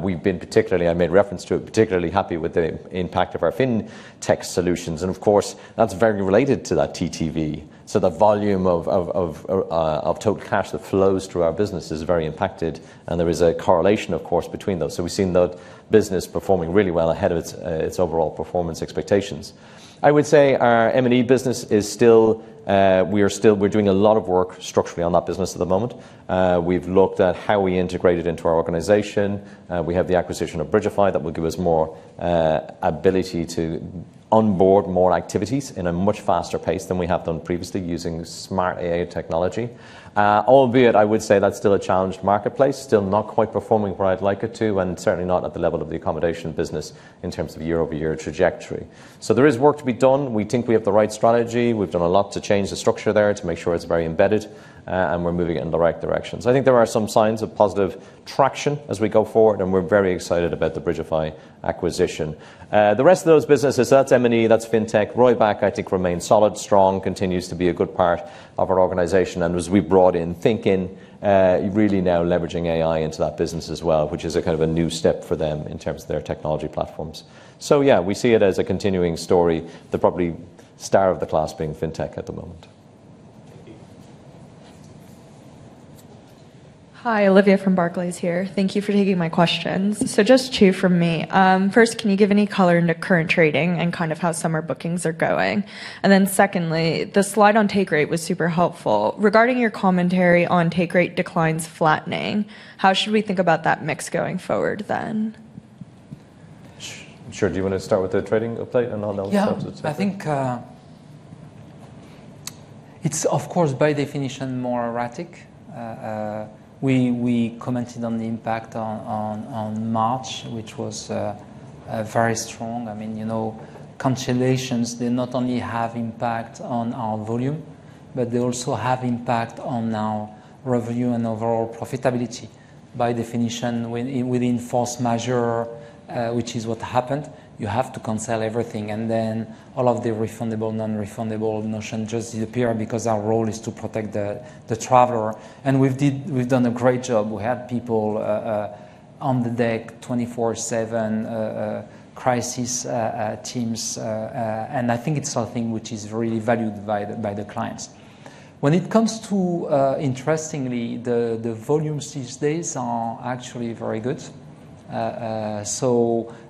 We've been particularly, I made reference to it, particularly happy with the impact of our Fintech solutions, and of course, that's very related to that TTV. The volume of, of total cash that flows through our business is very impacted, and there is a correlation, of course, between those. We've seen the business performing really well ahead of its overall performance expectations. I would say our M&E business is still, we're doing a lot of work structurally on that business at the moment. We've looked at how we integrate it into our organization. We have the acquisition of Bridgify that will give us more ability to onboard more activities in a much faster pace than we have done previously using smart AI technology. Albeit I would say that's still a challenged marketplace, still not quite performing where I'd like it to, and certainly not at the level of the accommodation business in terms of year-over-year trajectory. There is work to be done. We think we have the right strategy. We've done a lot to change the structure there to make sure it's very embedded, and we're moving it in the right direction. I think there are some signs of positive traction as we go forward, and we're very excited about the Bridgify acquisition. The rest of those businesses, that's M&E, that's Fintech. Roiback, I think, remains solid, strong, continues to be a good part of our organization. As we brought in thinking, really now leveraging AI into that business as well, which is a kind of a new step for them in terms of their technology platforms. Yeah, we see it as a continuing story, the probably star of the class being Fintech at the moment. Hi, Olivia from Barclays here. Thank you for taking my questions. Just two from me. First, can you give any color into current trading and kind of how summer bookings are going? Secondly, the slide on take rate was super helpful. Regarding your commentary on take rate declines flattening, how should we think about that mix going forward then? Sure. Do you wanna start with the trading update, and I'll then substitute it? Yeah. I think it's of course by definition more erratic. We commented on the impact on March, which was very strong. I mean, you know, cancellations, they not only have impact on our volume, but they also have impact on our revenue and overall profitability. By definition, within force majeure, which is what happened, you have to cancel everything and then all of the refundable, non-refundable notion just disappear because our role is to protect the traveler. And we've done a great job. We had people on the deck 24/7, crisis teams, and I think it's something which is really valued by the clients. When it comes to, interestingly, the volumes these days are actually very good.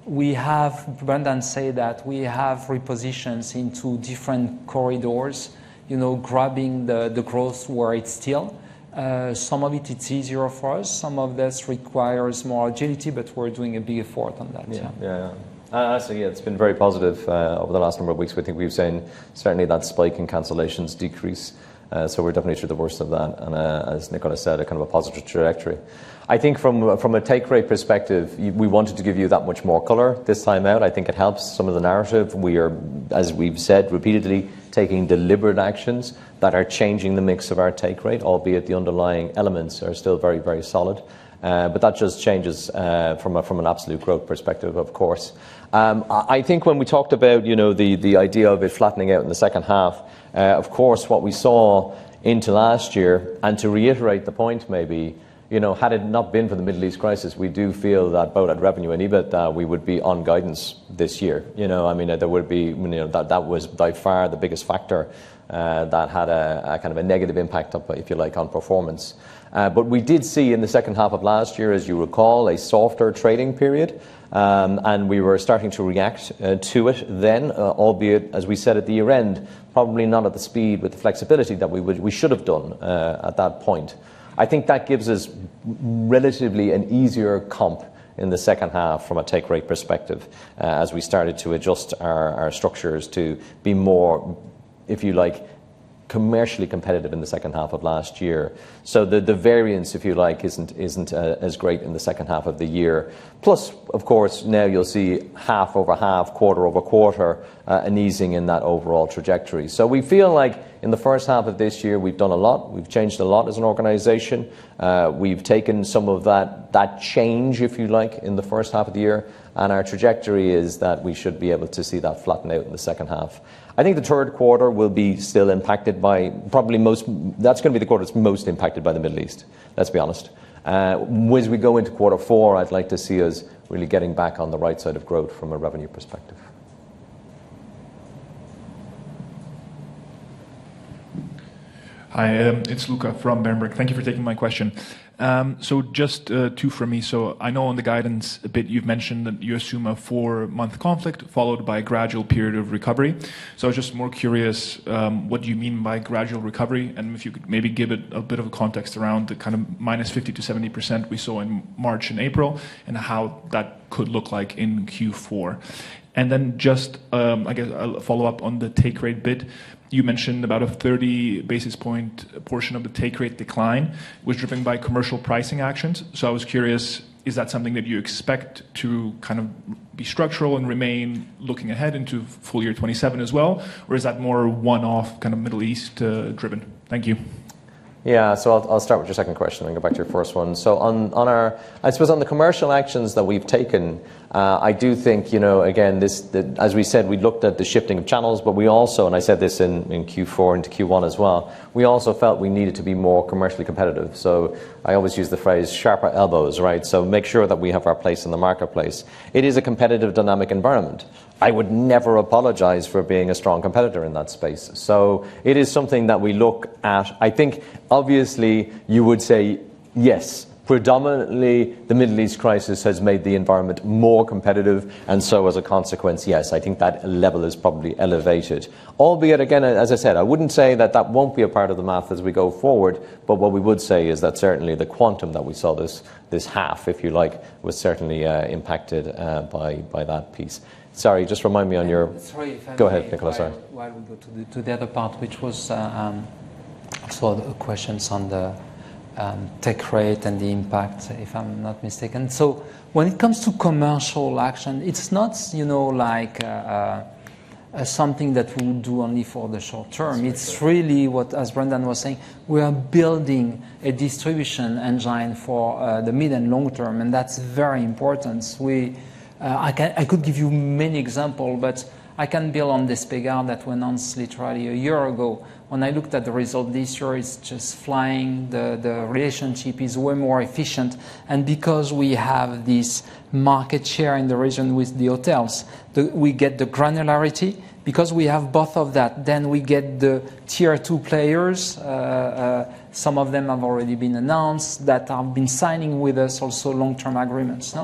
We heard Brendan say that we have repositions into different corridors, you know, grabbing the growth where it's still. Some of it's easier for us. Some of this requires more agility, but we're doing a big effort on that. Yeah, yeah. Honestly, it's been very positive over the last number of weeks. We think we've seen certainly that spike in cancellations decrease. We're definitely through the worst of that. As Nicolas said, a kind of a positive trajectory. I think from a take rate perspective, we wanted to give you that much more color this time out. I think it helps some of the narrative. We are, as we've said repeatedly, taking deliberate actions that are changing the mix of our take rate, albeit the underlying elements are still very, very solid. That just changes from an absolute growth perspective, of course. I think when we talked about, you know, the idea of it flattening out in the second half, of course, what we saw into last year, and to reiterate the point maybe, you know, had it not been for the Middle East crisis, we do feel that both at revenue and EBITDA, we would be on guidance this year. You know, I mean, there would be, you know, that was by far the biggest factor that had a kind of a negative impact, if you like, on performance. We did see in the second half of last year, as you recall, a softer trading period, and we were starting to react to it then, albeit, as we said at the year-end, probably not at the speed with the flexibility that we should have done at that point. I think that gives us relatively an easier comp in the second half from a take rate perspective, as we started to adjust our structures to be more, if you like, commercially competitive in the second half of last year. The variance, if you like, isn't as great in the second half of the year. Plus, of course, now you'll see half-over-half, quarter-over-quarter, an easing in that overall trajectory. We feel like in the first half of this year, we've done a lot. We've changed a lot as an organization. We've taken some of that change, if you like, in the first half of the year, and our trajectory is that we should be able to see that flatten out in the second half. I think the third quarter will be still impacted by probably That's gonna be the quarter that's most impacted by the Middle East. Let's be honest. As we go into quarter four, I'd like to see us really getting back on the right side of growth from a revenue perspective. Hi, it's Luka from Berenberg. Thank you for taking my question. Just two for me. I know on the guidance a bit, you've mentioned that you assume a four-month conflict followed by a gradual period of recovery. I was just more curious, what do you mean by gradual recovery? And if you could maybe give it a bit of a context around the kind of -50% to 70% we saw in March and April, and how that could look like in Q4. Then just, I guess a follow-up on the take rate bit. You mentioned about a 30 basis point portion of the take rate decline was driven by commercial pricing actions. I was curious, is that something that you expect to kind of be structural and remain looking ahead into full year 2027 as well? Is that more one-off kind of Middle East driven? Thank you. Yeah. I'll start with your second question and go back to your first one. On our I suppose on the commercial actions that we've taken, I do think, you know, again, the, as we said, we looked at the shifting of channels, but we also, and I said this in Q4 into Q1 as well, we also felt we needed to be more commercially competitive. I always use the phrase sharper elbows, right? Make sure that we have our place in the marketplace. It is a competitive dynamic environment. I would never apologize for being a strong competitor in that space. It is something that we look at. I think obviously you would say, yes, predominantly the Middle East crisis has made the environment more competitive, and so as a consequence, yes, I think that level is probably elevated. Albeit, again, as I said, I wouldn't say that that won't be a part of the math as we go forward, but what we would say is that certainly the quantum that we saw this half, if you like, was certainly impacted by that piece. Sorry if I may. Go ahead, Nicolas. Sorry. While we go to the other part, which was, sort of the questions on the take rate and the impact, if I am not mistaken. When it comes to commercial action, it is not, you know, like, something that we do only for the short term. Exactly. It's really what, as Brendan was saying, we are building a distribution engine for the mid and long term, and that's very important. We, I could give you many example, but I can build on this figure that we announced literally a year ago. When I looked at the result, this year is just flying. The relationship is way more efficient. Because we have this market share in the region with the hotels, we get the granularity. Because we have both of that, then we get the tier two players. Some of them have already been announced that been signing with us also long-term agreements.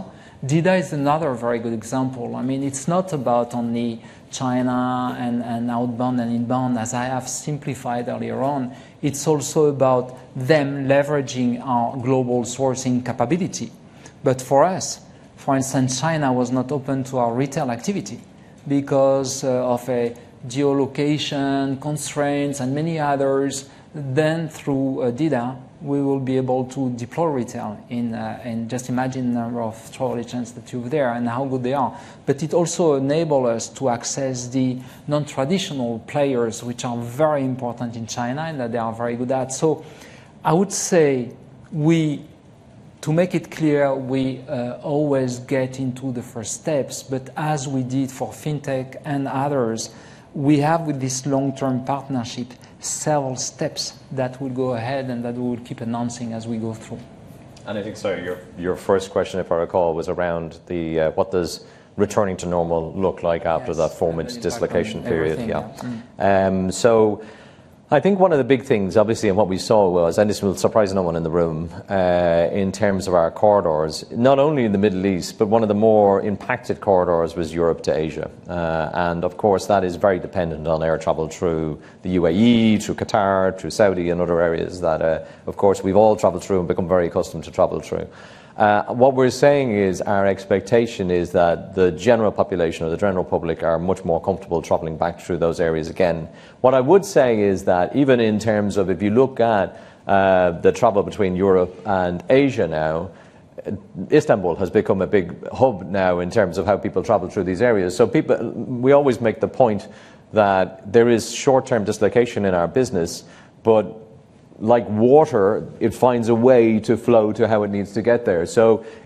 Now, DidaTravel is another very good example. I mean, it's not about only China and outbound and inbound, as I have simplified earlier on. It's also about them leveraging our global sourcing capability. For us, for instance, China was not open to our retail activity because of a geolocation constraints and many others. Through DidaTravel, we will be able to deploy retail in just imagine the number of travel agents that you have there and how good they are. It also enable us to access the non-traditional players which are very important in China and that they are very good at. I would say to make it clear, we always get into the first steps. As we did for Fintech and others, we have with this long-term partnership several steps that will go ahead and that we will keep announcing as we go through. I think, sorry, your first question, if I recall, was around the, what does returning to normal look like after that four-month dislocation period? Yes. Really talking everything, yeah. I think one of the big things, obviously, and what we saw was, and this will surprise no one in the room, in terms of our corridors, not only in the Middle East, but one of the more impacted corridors was Europe to Asia. Of course, that is very dependent on air travel through the UAE, through Qatar, through Saudi and other areas that, of course, we've all traveled through and become very accustomed to travel through. What we're saying is our expectation is that the general population or the general public are much more comfortable traveling back through those areas again. What I would say is that even in terms of if you look at the travel between Europe and Asia now, Istanbul has become a big hub now in terms of how people travel through these areas. We always make the point that there is short-term dislocation in our business, but like water, it finds a way to flow to how it needs to get there.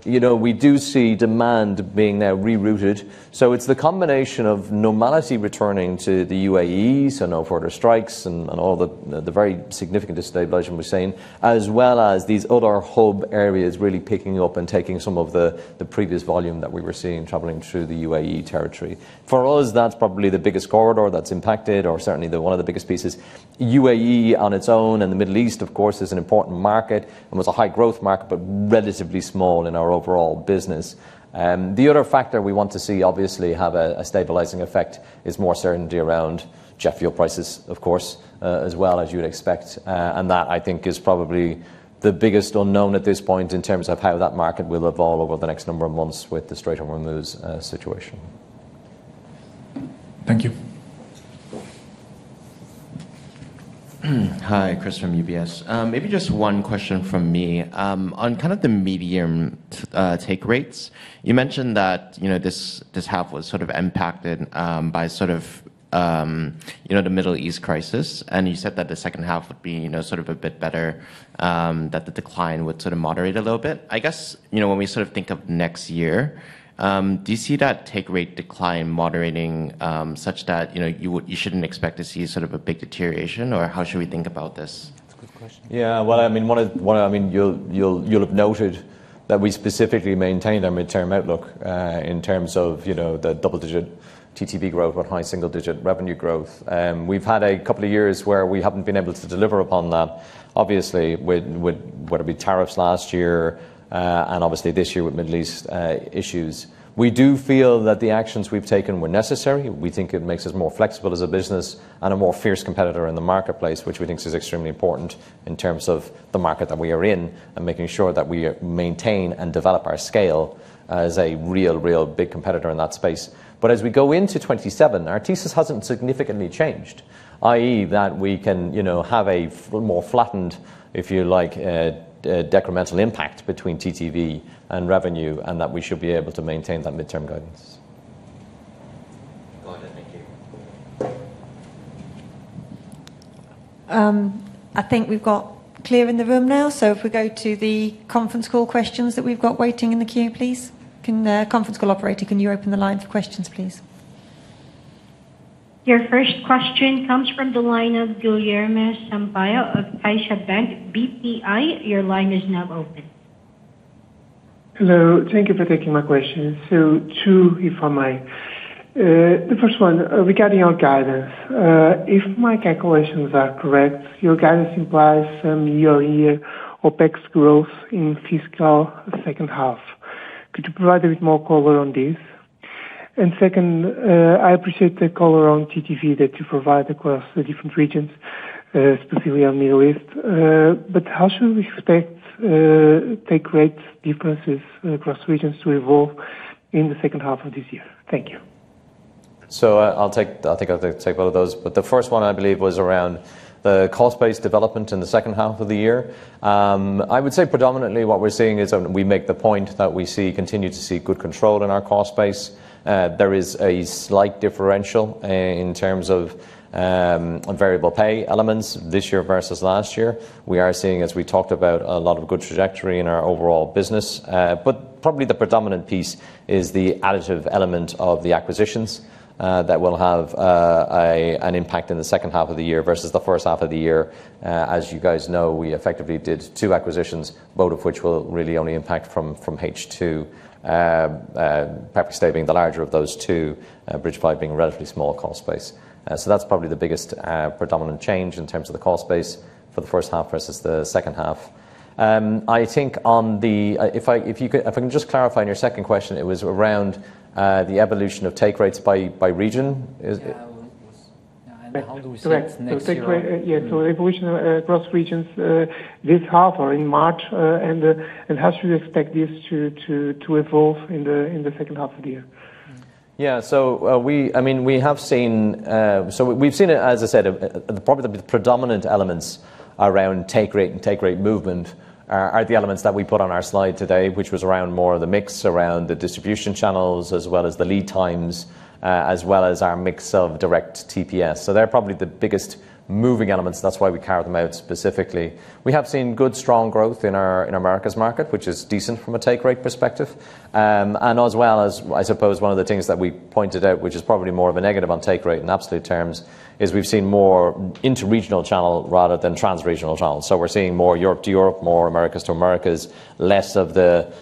You know, we do see demand being now rerouted. It's the combination of normality returning to the UAE, so no further strikes and all the very significant destabilization we've seen, as well as these other hub areas really picking up and taking some of the previous volume that we were seeing traveling through the UAE territory. For us, that's probably the biggest corridor that's impacted or certainly the one of the biggest pieces. UAE on its own and the Middle East, of course, is an important market and was a high growth market, but relatively small in our overall business. The other factor we want to see obviously have a stabilizing effect is more certainty around jet fuel prices, of course, as well as you would expect. That I think is probably the biggest unknown at this point in terms of how that market will evolve over the next number of months with the Strait of Hormuz situation. Thank you. Hi, Chris from UBS. Maybe just one question from me. On kind of the medium take rates, you mentioned that, you know, this half was sort of impacted by sort of, you know, the Middle East crisis, and you said that the second half would be, you know, sort of a bit better, that the decline would sort of moderate a little bit. I guess, you know, when we sort of think of next year, do you see that take rate decline moderating, such that, you know, you shouldn't expect to see sort of a big deterioration? Or how should we think about this? That's a good question. Yeah. Well, I mean, one of, I mean, you'll have noted that we specifically maintained our midterm outlook, in terms of, you know, the double-digit TTV growth or high single-digit revenue growth. We've had a couple of years where we haven't been able to deliver upon that, obviously, with whether it be tariffs last year, obviously this year with Middle East issues. We do feel that the actions we've taken were necessary. We think it makes us more flexible as a business and a more fierce competitor in the marketplace, which we think is extremely important in terms of the market that we are in and making sure that we maintain and develop our scale as a real big competitor in that space. As we go into 2027, our thesis hasn't significantly changed, i.e., that we can, you know, have a more flattened, if you like, decremental impact between TTV and revenue, and that we should be able to maintain that midterm guidance. Got it. Thank you. I think we've got clear in the room now. If we go to the conference call questions that we've got waiting in the queue, please. Can the conference call operator, can you open the line for questions, please? Your first question comes from the line of Guilherme Sampaio of CaixaBank BPI. Your line is now open. Hello. Thank you for taking my questions. Two, if I may. The first one regarding our guidance. If my calculations are correct, your guidance implies some year-on-year OpEx growth in fiscal second half. Could you provide a bit more color on this? Second, I appreciate the color on TTV that you provide across the different regions, specifically on Middle East. How should we expect take rates differences across regions to evolve in the second half of this year? Thank you. I think I'll take both of those. But the first one, I believe, was around the cost base development in the second half of the year. I would say predominantly what we're seeing is, and we make the point that we continue to see good control in our cost base. There is a slight differential in terms of on variable pay elements this year versus last year. We are seeing, as we talked about, a lot of good trajectory in our overall business. But probably the predominant piece is the additive element of the acquisitions that will have an impact in the second half of the year versus the first half of the year. As you guys know, we effectively did two acquisitions, both of which will really only impact from H2. PerfectStay being the larger of those two, Bridgify being a relatively small cost base. That's probably the biggest, predominant change in terms of the cost base for the first half versus the second half. I think if I can just clarify on your second question, it was around the evolution of take rates by region and how do we see it next year? Correct. Take rate evolution across regions this half or in March, and how should we expect this to evolve in the second half of the year? We have seen, so we've seen it, as I said, probably the predominant elements around take rate and take rate movement are the elements that we put on our slide today, which was around more of the mix, around the distribution channels, as well as the lead times, as well as our mix of direct TPS. They're probably the biggest moving elements. That's why we carry them out specifically. We have seen good, strong growth in our Americas market, which is decent from a take rate perspective. As well as, I suppose, one of the things that we pointed out, which is probably more of a negative on take rate in absolute terms, is we've seen more interregional channel rather than transregional channels. We're seeing more Europe to Europe, more Americas to Americas, less of the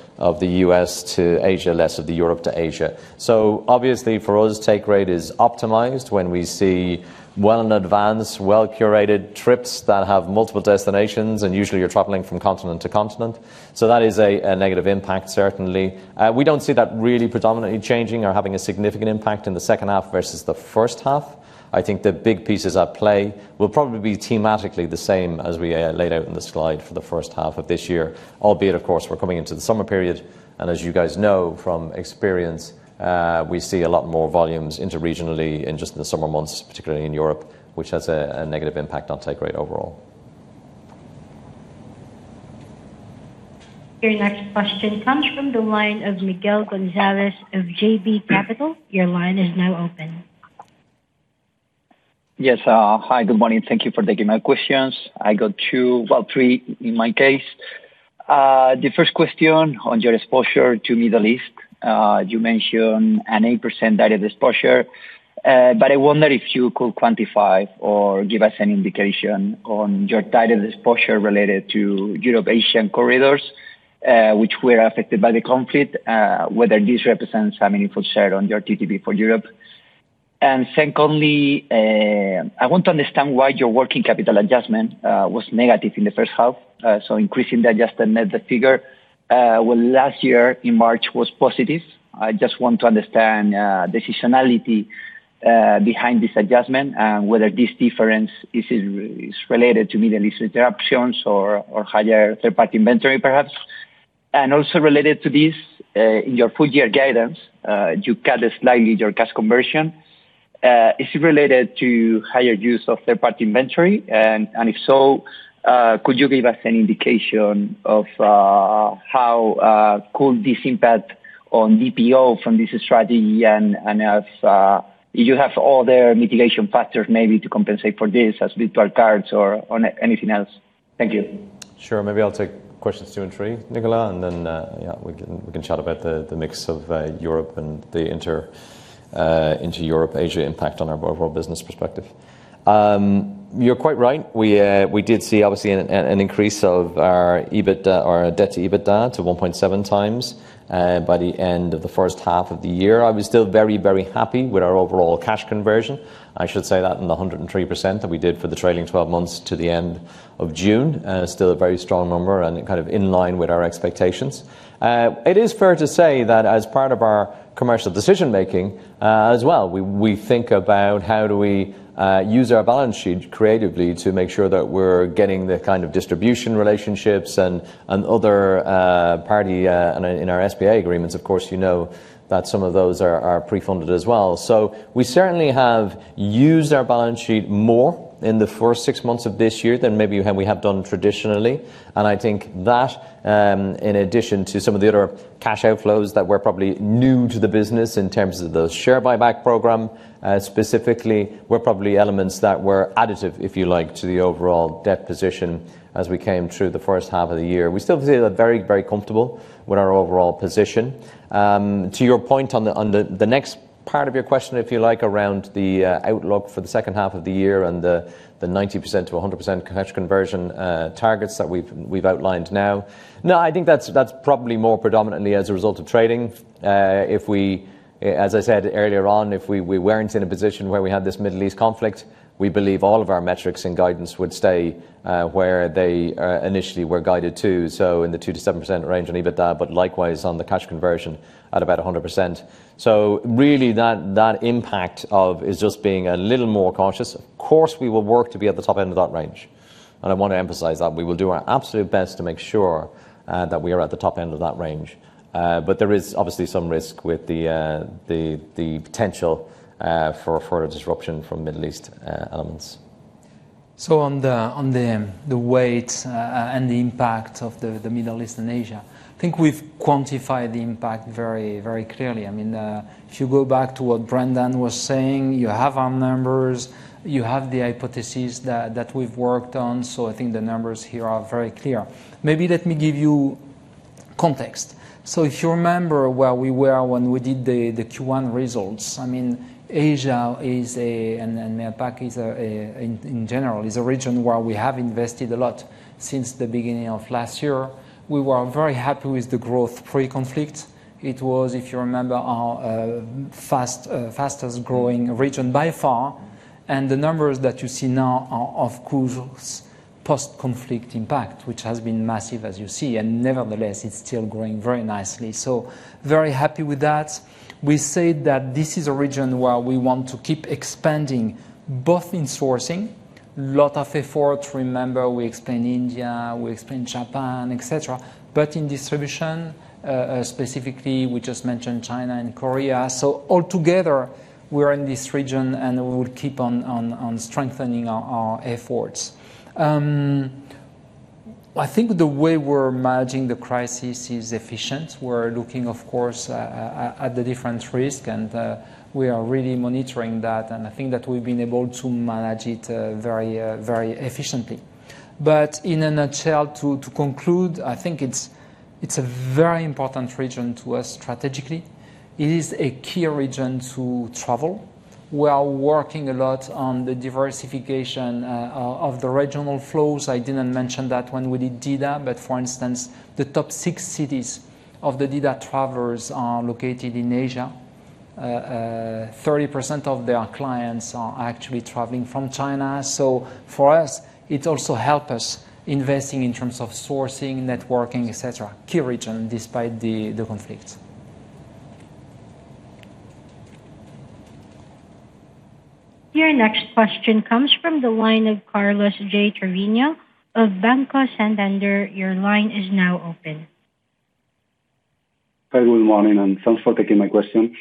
U.S. to Asia, less of the Europe to Asia. Obviously for us, take rate is optimized when we see well in advance, well-curated trips that have multiple destinations, and usually you're traveling from continent to continent. That is a negative impact, certainly. We don't see that really predominantly changing or having a significant impact in the second half versus the first half. I think the big pieces at play will probably be thematically the same as we laid out in the slide for the first half of this year. Albeit, of course, we're coming into the summer period, as you guys know from experience, we see a lot more volumes interregionally in just the summer months, particularly in Europe, which has a negative impact on take rate overall. Your next question comes from the line of Miguel Gonzalez of JB Capital. Your line is now open. Yes. Hi, good morning. Thank you for taking my questions. I got two, well, three in my case. The first question on your exposure to Middle East. You mentioned an 8% data exposure, but I wonder if you could quantify or give us an indication on your data exposure related to Europe-Asian corridors, which were affected by the conflict, whether this represents a meaningful share on your TTV for Europe. Secondly, I want to understand why your working capital adjustment was negative in the first half, so increasing the adjusted net, the figure, well, last year in March was positive. I just want to understand seasonality behind this adjustment, and whether this difference is related to Middle East interruptions or higher third-party inventory, perhaps. Also related to this, in your full year guidance, you cut slightly your cash conversion. Is it related to higher use of third-party inventory? And if so, could you give us any indication of how could this impact on DPO from this strategy and if you have other mitigation factors maybe to compensate for this as virtual cards or on anything else? Thank you. Sure. Maybe I'll take questions two and three, Nicolas, and then we can chat about the mix of Europe and into Europe, Asia impact on our overall business perspective. You're quite right. We did see obviously an increase of our EBITDA or our debt to EBITDA to 1.7x by the end of the first half of the year. I was still very happy with our overall cash conversion. I should say that in the 103% that we did for the trailing 12 months to the end of June, still a very strong number and kind of in line with our expectations. It is fair to say that as part of our commercial decision-making, as well, we think about how do we use our balance sheet creatively to make sure that we're getting the kind of distribution relationships and other party in our SPA agreements. Of course, you know that some of those are pre-funded as well. We certainly have used our balance sheet more in the first six months of this year than maybe we have done traditionally. I think that, in addition to some of the other cash outflows that were probably new to the business in terms of the share buyback program, specifically, were probably elements that were additive, if you like, to the overall debt position as we came through the first half of the year. We still feel very, very comfortable with our overall position. To your point on the next part of your question, if you like, around the outlook for the second half of the year and the 90%-100% cash conversion, targets that we've outlined now. I think that's probably more predominantly as a result of trading. As I said earlier on, if we weren't in a position where we had this Middle East conflict, we believe all of our metrics and guidance would stay where they initially were guided to, so in the 2%-7% range on EBITDA, but likewise on the cash conversion at about 100%. Really that impact of is just being a little more cautious. Of course, we will work to be at the top end of that range. I want to emphasize that we will do our absolute best to make sure that we are at the top end of that range. There is obviously some risk with the potential for a disruption from Middle East elements. On the weight and the impact of the Middle East and Asia, I think we've quantified the impact very clearly. I mean, if you go back to what Brendan was saying, you have our numbers, you have the hypothesis that we've worked on. I think the numbers here are very clear. Maybe let me give you context. If you remember where we were when we did the Q1 results, I mean, Asia is a, and APAC is a in general, is a region where we have invested a lot since the beginning of last year. We were very happy with the growth pre-conflict. It was, if you remember, our fastest-growing region by far. The numbers that you see now are, of course Post-conflict impact, which has been massive, as you see. Nevertheless, it's still growing very nicely. Very happy with that. We say that this is a region where we want to keep expanding, both in sourcing. Lot of effort. Remember, we expand India, we expand Japan, et cetera. In distribution, specifically, we just mentioned China and Korea. All together, we're in this region, and we will keep on strengthening our efforts. I think the way we're managing the crisis is efficient. We're looking, of course, at the different risk and we are really monitoring that, and I think that we've been able to manage it very efficiently. In a nutshell, to conclude, I think it's a very important region to us strategically. It is a key region to travel. We are working a lot on the diversification of the regional flows. I didn't mention that when we did DidaTravel, but for instance, the top six cities of the DidaTravel travelers are located in Asia. 30% of their clients are actually traveling from China. For us, it also help us investing in terms of sourcing, networking, et cetera. Key region despite the conflict. Your next question comes from the line of Carlos J. Treviño of Banco Santander. Your line is now open. Hi, good morning, and thanks for taking my question.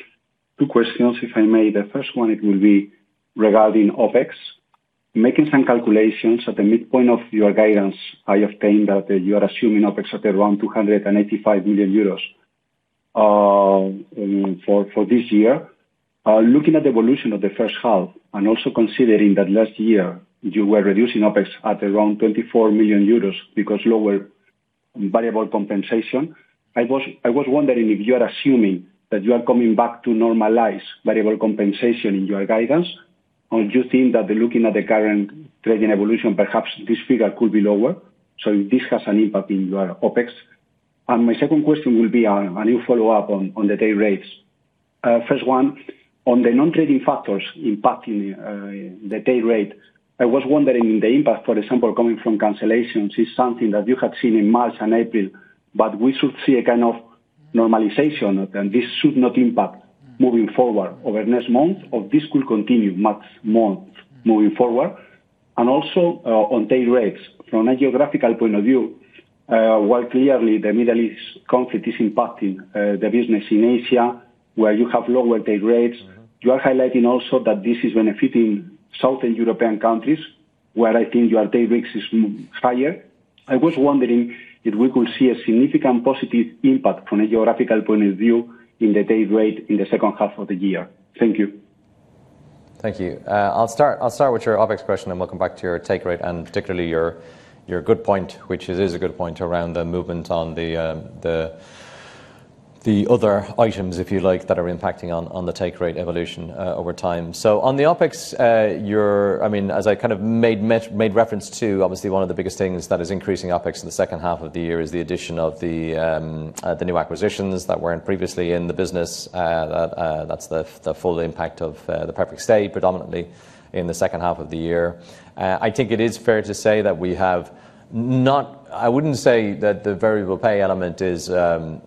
Two questions, if I may. The first one, it will be regarding OpEx. Making some calculations at the midpoint of your guidance, I obtain that you are assuming OpEx at around 285 million euros for this year. Looking at the evolution of the first half and also considering that last year you were reducing OpEx at around 24 million euros because lower variable compensation, I was wondering if you are assuming that you are coming back to normalize variable compensation in your guidance, or do you think that looking at the current trading evolution, perhaps this figure could be lower? This has an impact in your OpEx. My second question will be on a new follow-up on the take rates. First one, on the non-trading factors impacting the take rate, I was wondering the impact, for example, coming from cancellations is something that you have seen in March and April, but we should see a kind of normalization, and this should not impact moving forward over next month, or this could continue max months moving forward? On take rates, from a geographical point of view, while clearly the Middle East conflict is impacting the business in Asia, where you have lower take rates. You are highlighting also that this is benefiting Southern European countries, where I think your take rate is higher. I was wondering if we could see a significant positive impact from a geographical point of view in the take rate in the second half of the year. Thank you. Thank you. I'll start with your OpEx question and welcome back to your take rate and particularly your good point, which it is a good point around the movement on the other items, if you like, that are impacting on the take rate evolution over time. On the OpEx, I mean, as I kind of made reference to, obviously, one of the biggest things that is increasing OpEx in the second half of the year is the addition of the new acquisitions that weren't previously in the business. That's the full impact of PerfectStay predominantly in the second half of the year. I think it is fair to say that I wouldn't say that the variable pay element is You,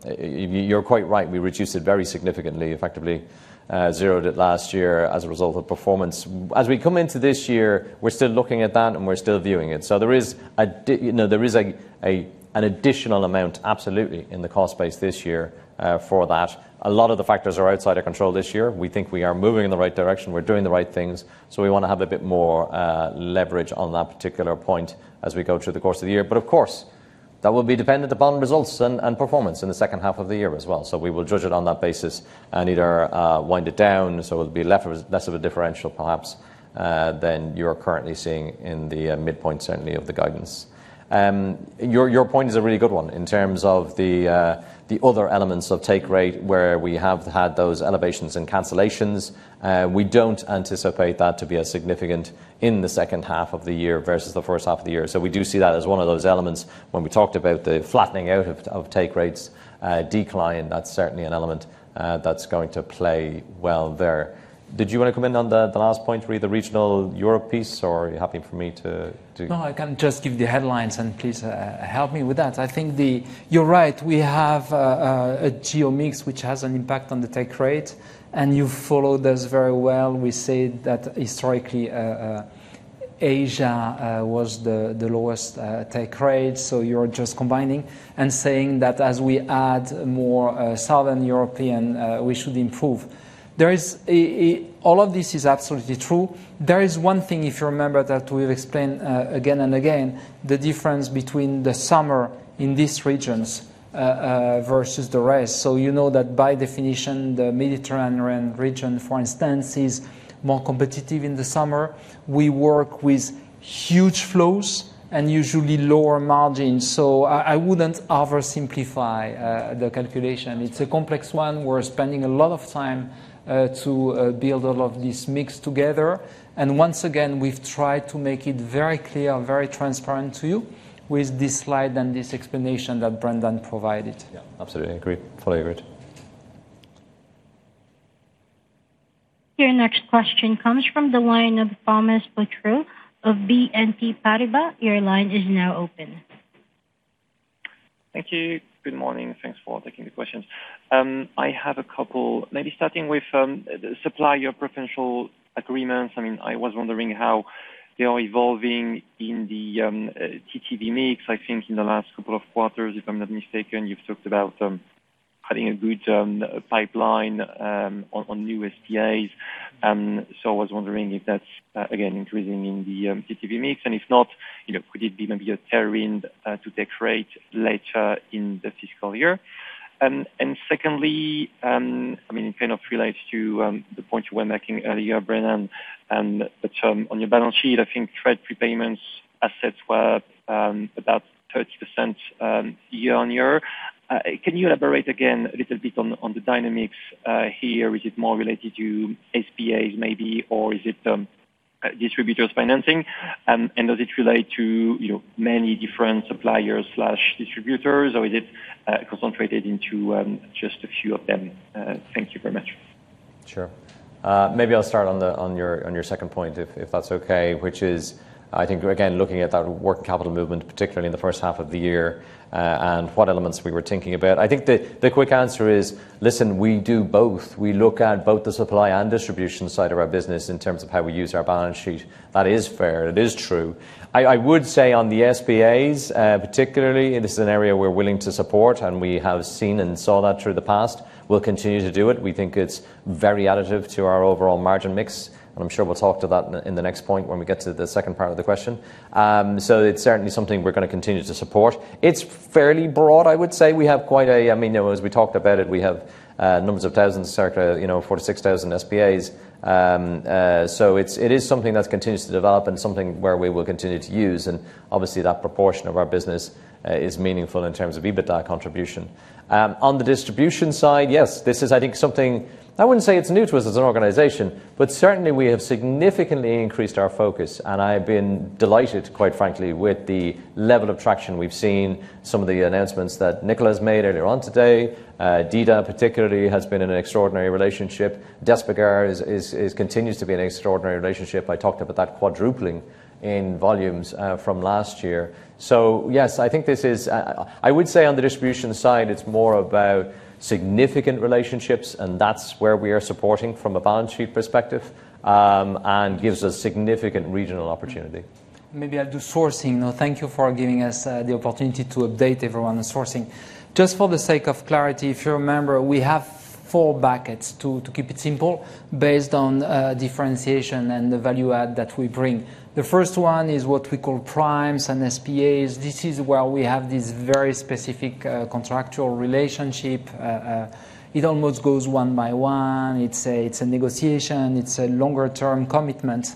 you're quite right. We reduced it very significantly, effectively, zeroed it last year as a result of performance. As we come into this year, we're still looking at that, and we're still viewing it. There is you know, there is an additional amount, absolutely, in the cost base this year, for that. A lot of the factors are outside our control this year. We think we are moving in the right direction. We're doing the right things. We wanna have a bit more leverage on that particular point as we go through the course of the year. Of course, that will be dependent upon results and performance in the second half of the year as well. We will judge it on that basis and either wind it down, so it'll be less of a differential, perhaps, than you're currently seeing in the midpoint, certainly, of the guidance. Your, your point is a really good one in terms of the other elements of take rate where we have had those elevations and cancellations. We don't anticipate that to be as significant in the second half of the year versus the first half of the year. We do see that as one of those elements when we talked about the flattening out of take rates decline. That's certainly an element that's going to play well there. Did you wanna come in on the last point, Rui, the regional Europe piece, or are you happy for me to? No, I can just give the headlines and please help me with that. You're right. We have a geo mix which has an impact on the take rate, and you follow this very well. We say that historically, Asia was the lowest take rate. You're just combining and saying that as we add more Southern European, we should improve. All of this is absolutely true. There is one thing if you remember that we've explained again and again, the difference between the summer in these regions versus the rest. You know that by definition, the Mediterranean region, for instance, is more competitive in the summer. We work with huge flows and usually lower margins. I wouldn't oversimplify the calculation. It's a complex one. We're spending a lot of time to build all of this mix together. Once again, we've tried to make it very clear and very transparent to you with this slide and this explanation that Brendan provided. Yeah, absolutely. Agree. Fully agree. Your next question comes from the line of Thomas Poutrieux of BNP Paribas. Your line is now open. Thank you. Good morning. Thanks for taking the questions. I have a couple maybe starting with the supplier preferential agreements. I mean, I was wondering how they are evolving in the TTV mix. I think in the last couple of quarters, if I'm not mistaken, you've talked about having a good pipeline on new SPAs. I was wondering if that's again, increasing in the TTV mix. If not, you know, could it be maybe a trend to accelerate later in the fiscal year? Secondly, I mean, it kind of relates to the point you were making earlier, Brendan, and the term on your balance sheet, I think trade prepayments assets were about 30% year-on-year. Can you elaborate again a little bit on the dynamics here? Is it more related to SPAs maybe, or is it distributors financing? Does it relate to, you know, many different suppliers/distributors, or is it concentrated into just a few of them? Thank you very much. Sure. Maybe I'll start on your second point if that's okay, which is, I think, again, looking at that working capital movement, particularly in the first half of the year, and what elements we were thinking about. I think the quick answer is, listen, we do both. We look at both the supply and distribution side of our business in terms of how we use our balance sheet. That is fair, it is true. I would say on the SPAs, particularly this is an area we're willing to support, and we have seen and saw that through the past. We'll continue to do it. We think it's very additive to our overall margin mix. I'm sure we'll talk to that in the next point when we get to the second part of the question. It's certainly something we're going to continue to support. It's fairly broad, I would say. I mean, as we talked about it, we have numbers of thousands circa, you know, 4,000-6,000 SPAs. It is something that continues to develop and something where we will continue to use. Obviously, that proportion of our business is meaningful in terms of EBITDA contribution. On the distribution side, yes, this is, I think, something I wouldn't say it's new to us as an organization, but certainly we have significantly increased our focus, and I've been delighted, quite frankly, with the level of traction we've seen, some of the announcements that Nicolas made earlier on today. DidaTravel particularly has been in an extraordinary relationship. Despegar continues to be an extraordinary relationship. I talked about that quadrupling in volumes from last year. Yes, I think this is, I would say on the distribution side, it's more about significant relationships, and that's where we are supporting from a balance sheet perspective, and gives us significant regional opportunity. Maybe I'll do sourcing. Thank you for giving us the opportunity to update everyone on sourcing. Just for the sake of clarity, if you remember, we have four buckets to keep it simple based on differentiation and the value add that we bring. The first one is what we call primes and SPAs. This is where we have this very specific contractual relationship. It almost goes one by one. It's a negotiation. It's a longer term commitment.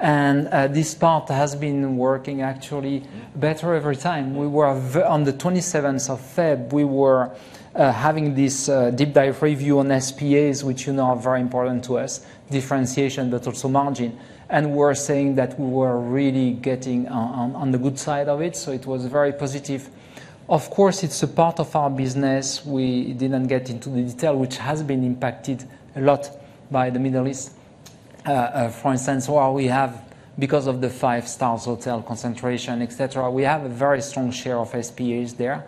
This part has been working actually better every time. We were on the 27th of February, we were having this deep dive review on SPAs, which you know are very important to us, differentiation but also margin. We're saying that we were really getting on the good side of it, so it was very positive. Of course, it's a part of our business we didn't get into the detail, which has been impacted a lot by the Middle East. For instance, while we have because of the five-stars hotel concentration, et cetera, we have a very strong share of SPAs there.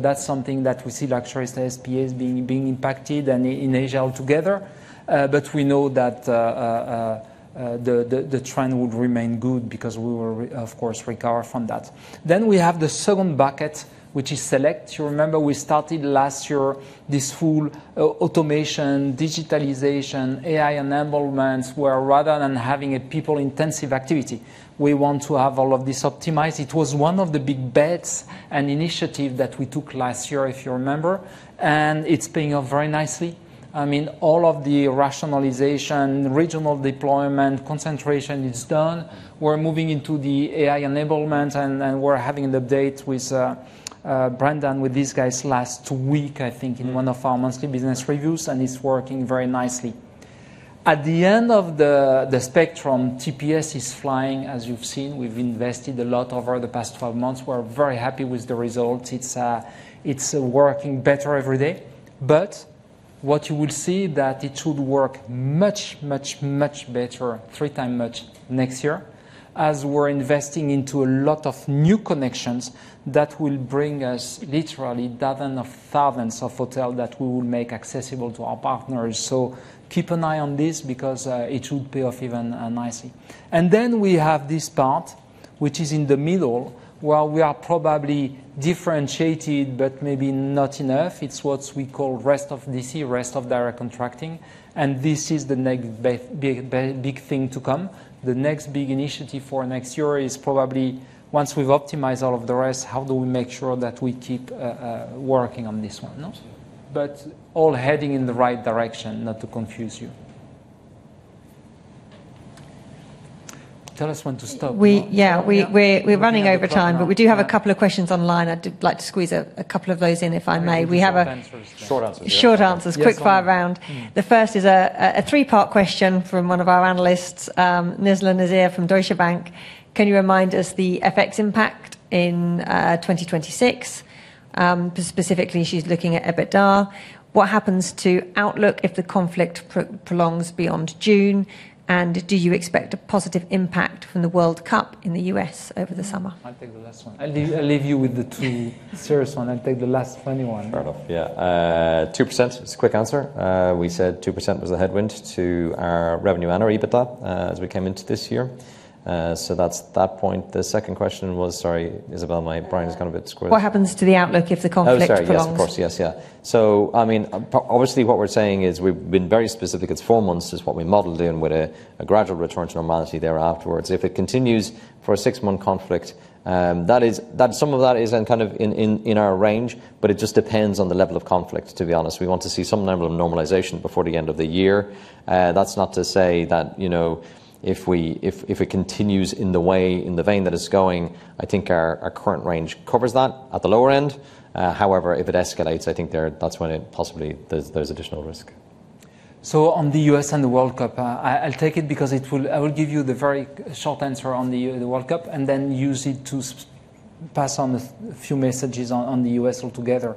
That's something that we see luxurious SPAs being impacted and in Asia altogether. We know that the trend would remain good because we will of course recover from that. We have the second bucket, which is select. You remember we started last year, this full automation, digitalization, AI enablement, where rather than having a people-intensive activity, we want to have all of this optimized. It was one of the big bets and initiative that we took last year, if you remember, and it's paying off very nicely. I mean, all of the rationalization, regional deployment, concentration is done. We're moving into the AI enablement, and we're having an update with Brendan, with these guys last week, I think, in one of our monthly business reviews, and it's working very nicely. At the end of the spectrum, TPS is flying. As you've seen, we've invested a lot over the past 12 months. We're very happy with the results. It's working better every day. What you will see that it should work much, much better, three time much next year, as we're investing into a lot of new connections that will bring us literally dozens of thousands of hotel that we will make accessible to our partners. Keep an eye on this because, it should pay off even nicely. We have this part, which is in the middle, where we are probably differentiated but maybe not enough. It's what we call rest of DC, rest of direct contracting. This is the big thing to come. The next big initiative for next year is probably once we've optimized all of the rest, how do we make sure that we keep working on this one, no? All heading in the right direction, not to confuse you. Tell us when to stop now. Yeah, we're running over time. We have a time. We do have a couple of questions online. I'd like to squeeze a couple of those in, if I may. Maybe short answers. Short answers, yeah. Short answers. Yes. Quickfire round. The first is a three-part question from one of our analysts, Nizla Naizer from Deutsche Bank. Can you remind us the FX impact in 2026? Specifically she's looking at EBITDA. What happens to outlook if the conflict prolongs beyond June? Do you expect a positive impact from the World Cup in the U.S. over the summer? I'll take the last one. I'll leave you with the two serious one. I'll take the last funny one. Fair enough. Yeah. 2% is a quick answer. We said 2% was the headwind to our revenue and our EBITDA as we came into this year. That's that point. The second question was Sorry, Isabel, my brain is kind of a bit squished. What happens to the outlook if the conflict prolongs? Oh, sorry. Yes, of course. Yes. Yeah. I mean, obviously, what we're saying is we've been very specific. It's four months is what we modeled in, with a gradual return to normality there afterwards. If it continues for a six-month conflict, some of that is then kind of in our range, but it just depends on the level of conflict, to be honest. We want to see some level of normalization before the end of the year. That's not to say that, you know, if it continues in the way, in the vein that it's going, I think our current range covers that at the lower end. However, if it escalates, I think there, that's when it possibly, there's additional risk. On the U.S. and the World Cup, I'll take it because I will give you the very short answer on the World Cup and then use it to pass on a few messages on the U.S. altogether.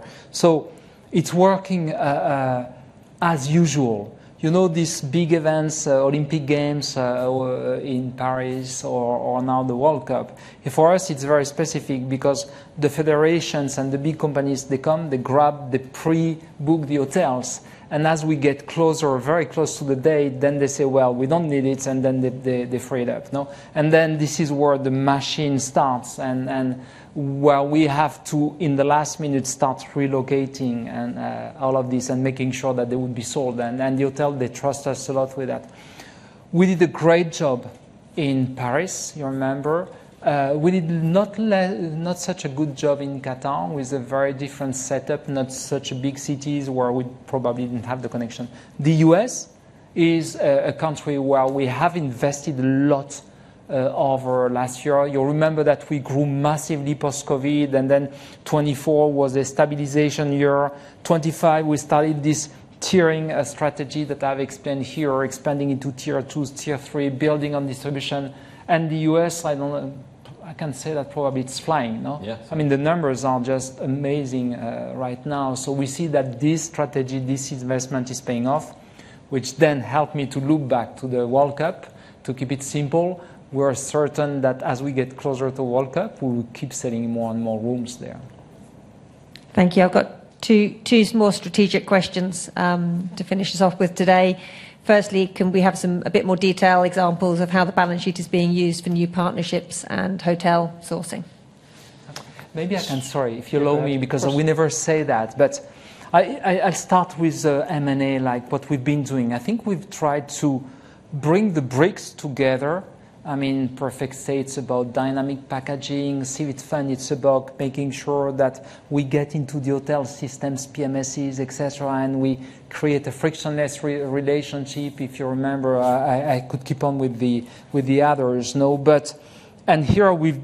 It's working as usual. You know, these big events, Olympic Games, or in Paris, or now the World Cup. For us it's very specific because the federations and the big companies, they come, they grab the pre-book the hotels, and as we get closer or very close to the date, then they say, "Well, we don't need it," and then they free it up. This is where the machine starts and where we have to, in the last minute, start relocating and all of this and making sure that they would be sold. The hotel, they trust us a lot with that. We did a great job in Paris, you remember. We did not such a good job in Qatar with a very different setup, not such big cities where we probably didn't have the connection. The U.S. is a country where we have invested a lot over last year. You remember that we grew massively post-COVID, and then 2024 was a stabilization year. 2025, we started this tiering strategy that I've explained here, expanding into tier two, tier three, building on distribution. The U.S., I can say that probably it's flying, no? Yes. I mean, the numbers are just amazing right now. We see that this strategy, this investment is paying off, which then help me to look back to the World Cup. To keep it simple, we're certain that as we get closer to World Cup, we will keep selling more and more rooms there. Thank you. I've got two more strategic questions to finish us off with today. Firstly, can we have a bit more detail, examples of how the balance sheet is being used for new partnerships and hotel sourcing? Sorry, if you allow me, because we never say that. I'll start with M&A, like what we've been doing. I think we've tried to bring the bricks together. I mean, PerfectStay, it's about dynamic packaging. Civitfun, it's about making sure that we get into the hotel systems, PMSes, et cetera, and we create a frictionless relationship. If you remember, I could keep on with the others. No? Here we've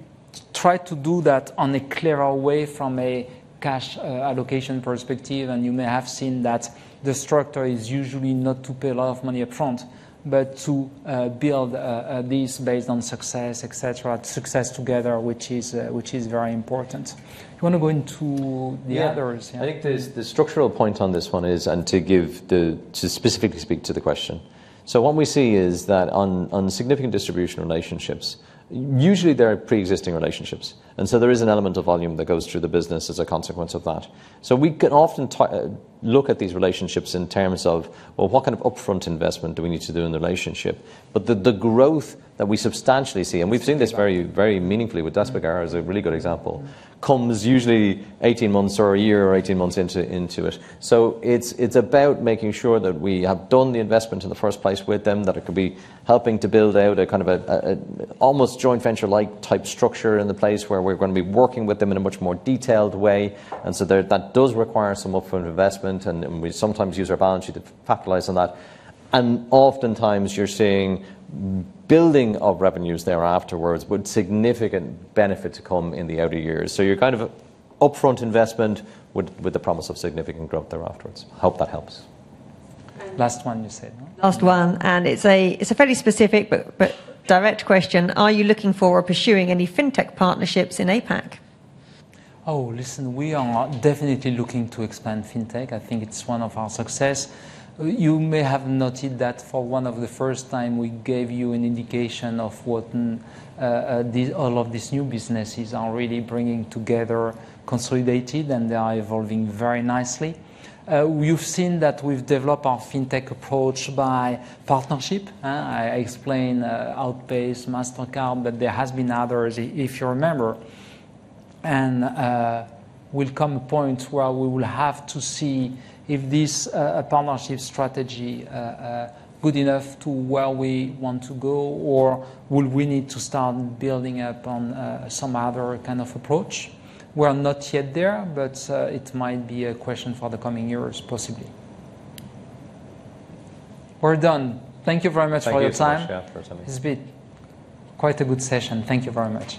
tried to do that on a clearer way from a cash allocation perspective. You may have seen that the structure is usually not to pay a lot of money up front, but to build this based on success, et cetera, success together, which is very important. Do you want to go into the others? Yeah. I think the structural point on this one is, and to give the, to specifically speak to the question. What we see is that on significant distribution relationships, usually they're preexisting relationships, and so there is an element of volume that goes through the business as a consequence of that. We can often ti-- look at these relationships in terms of, well, what kind of upfront investment do we need to do in the relationship? The, the growth that we substantially see, and we've seen this very, very meaningfully with Despegar as a really good example, comes usually 18 months or a year or 18 months into it. It's about making sure that we have done the investment in the first place with them, that it could be helping to build out a kind of a joint venture-like type structure in the place where we're gonna be working with them in a much more detailed way. There, that does require some upfront investment, and we sometimes use our balance sheet to capitalize on that. Oftentimes you're seeing building of revenues there afterwards with significant benefits come in the outer years. Your kind of upfront investment with the promise of significant growth there afterwards. Hope that helps. Last one, you said, no? Last one, it's a fairly specific but direct question. Are you looking for or pursuing any Fintech partnerships in APAC? Oh, listen, we are definitely looking to expand Fintech. I think it's one of our success. You may have noted that for one of the first time we gave you an indication of what all of these new businesses are really bringing together, consolidated, and they are evolving very nicely. You've seen that we've developed our Fintech approach by partnership. I explained Outpayce, Mastercard, but there has been others, if you remember. We'll come a point where we will have to see if this partnership strategy good enough to where we want to go or will we need to start building up on some other kind of approach. We're not yet there, but it might be a question for the coming years, possibly. We're done. Thank you very much for your time. Thank you, Patricia, for telling me. It's been quite a good session. Thank you very much.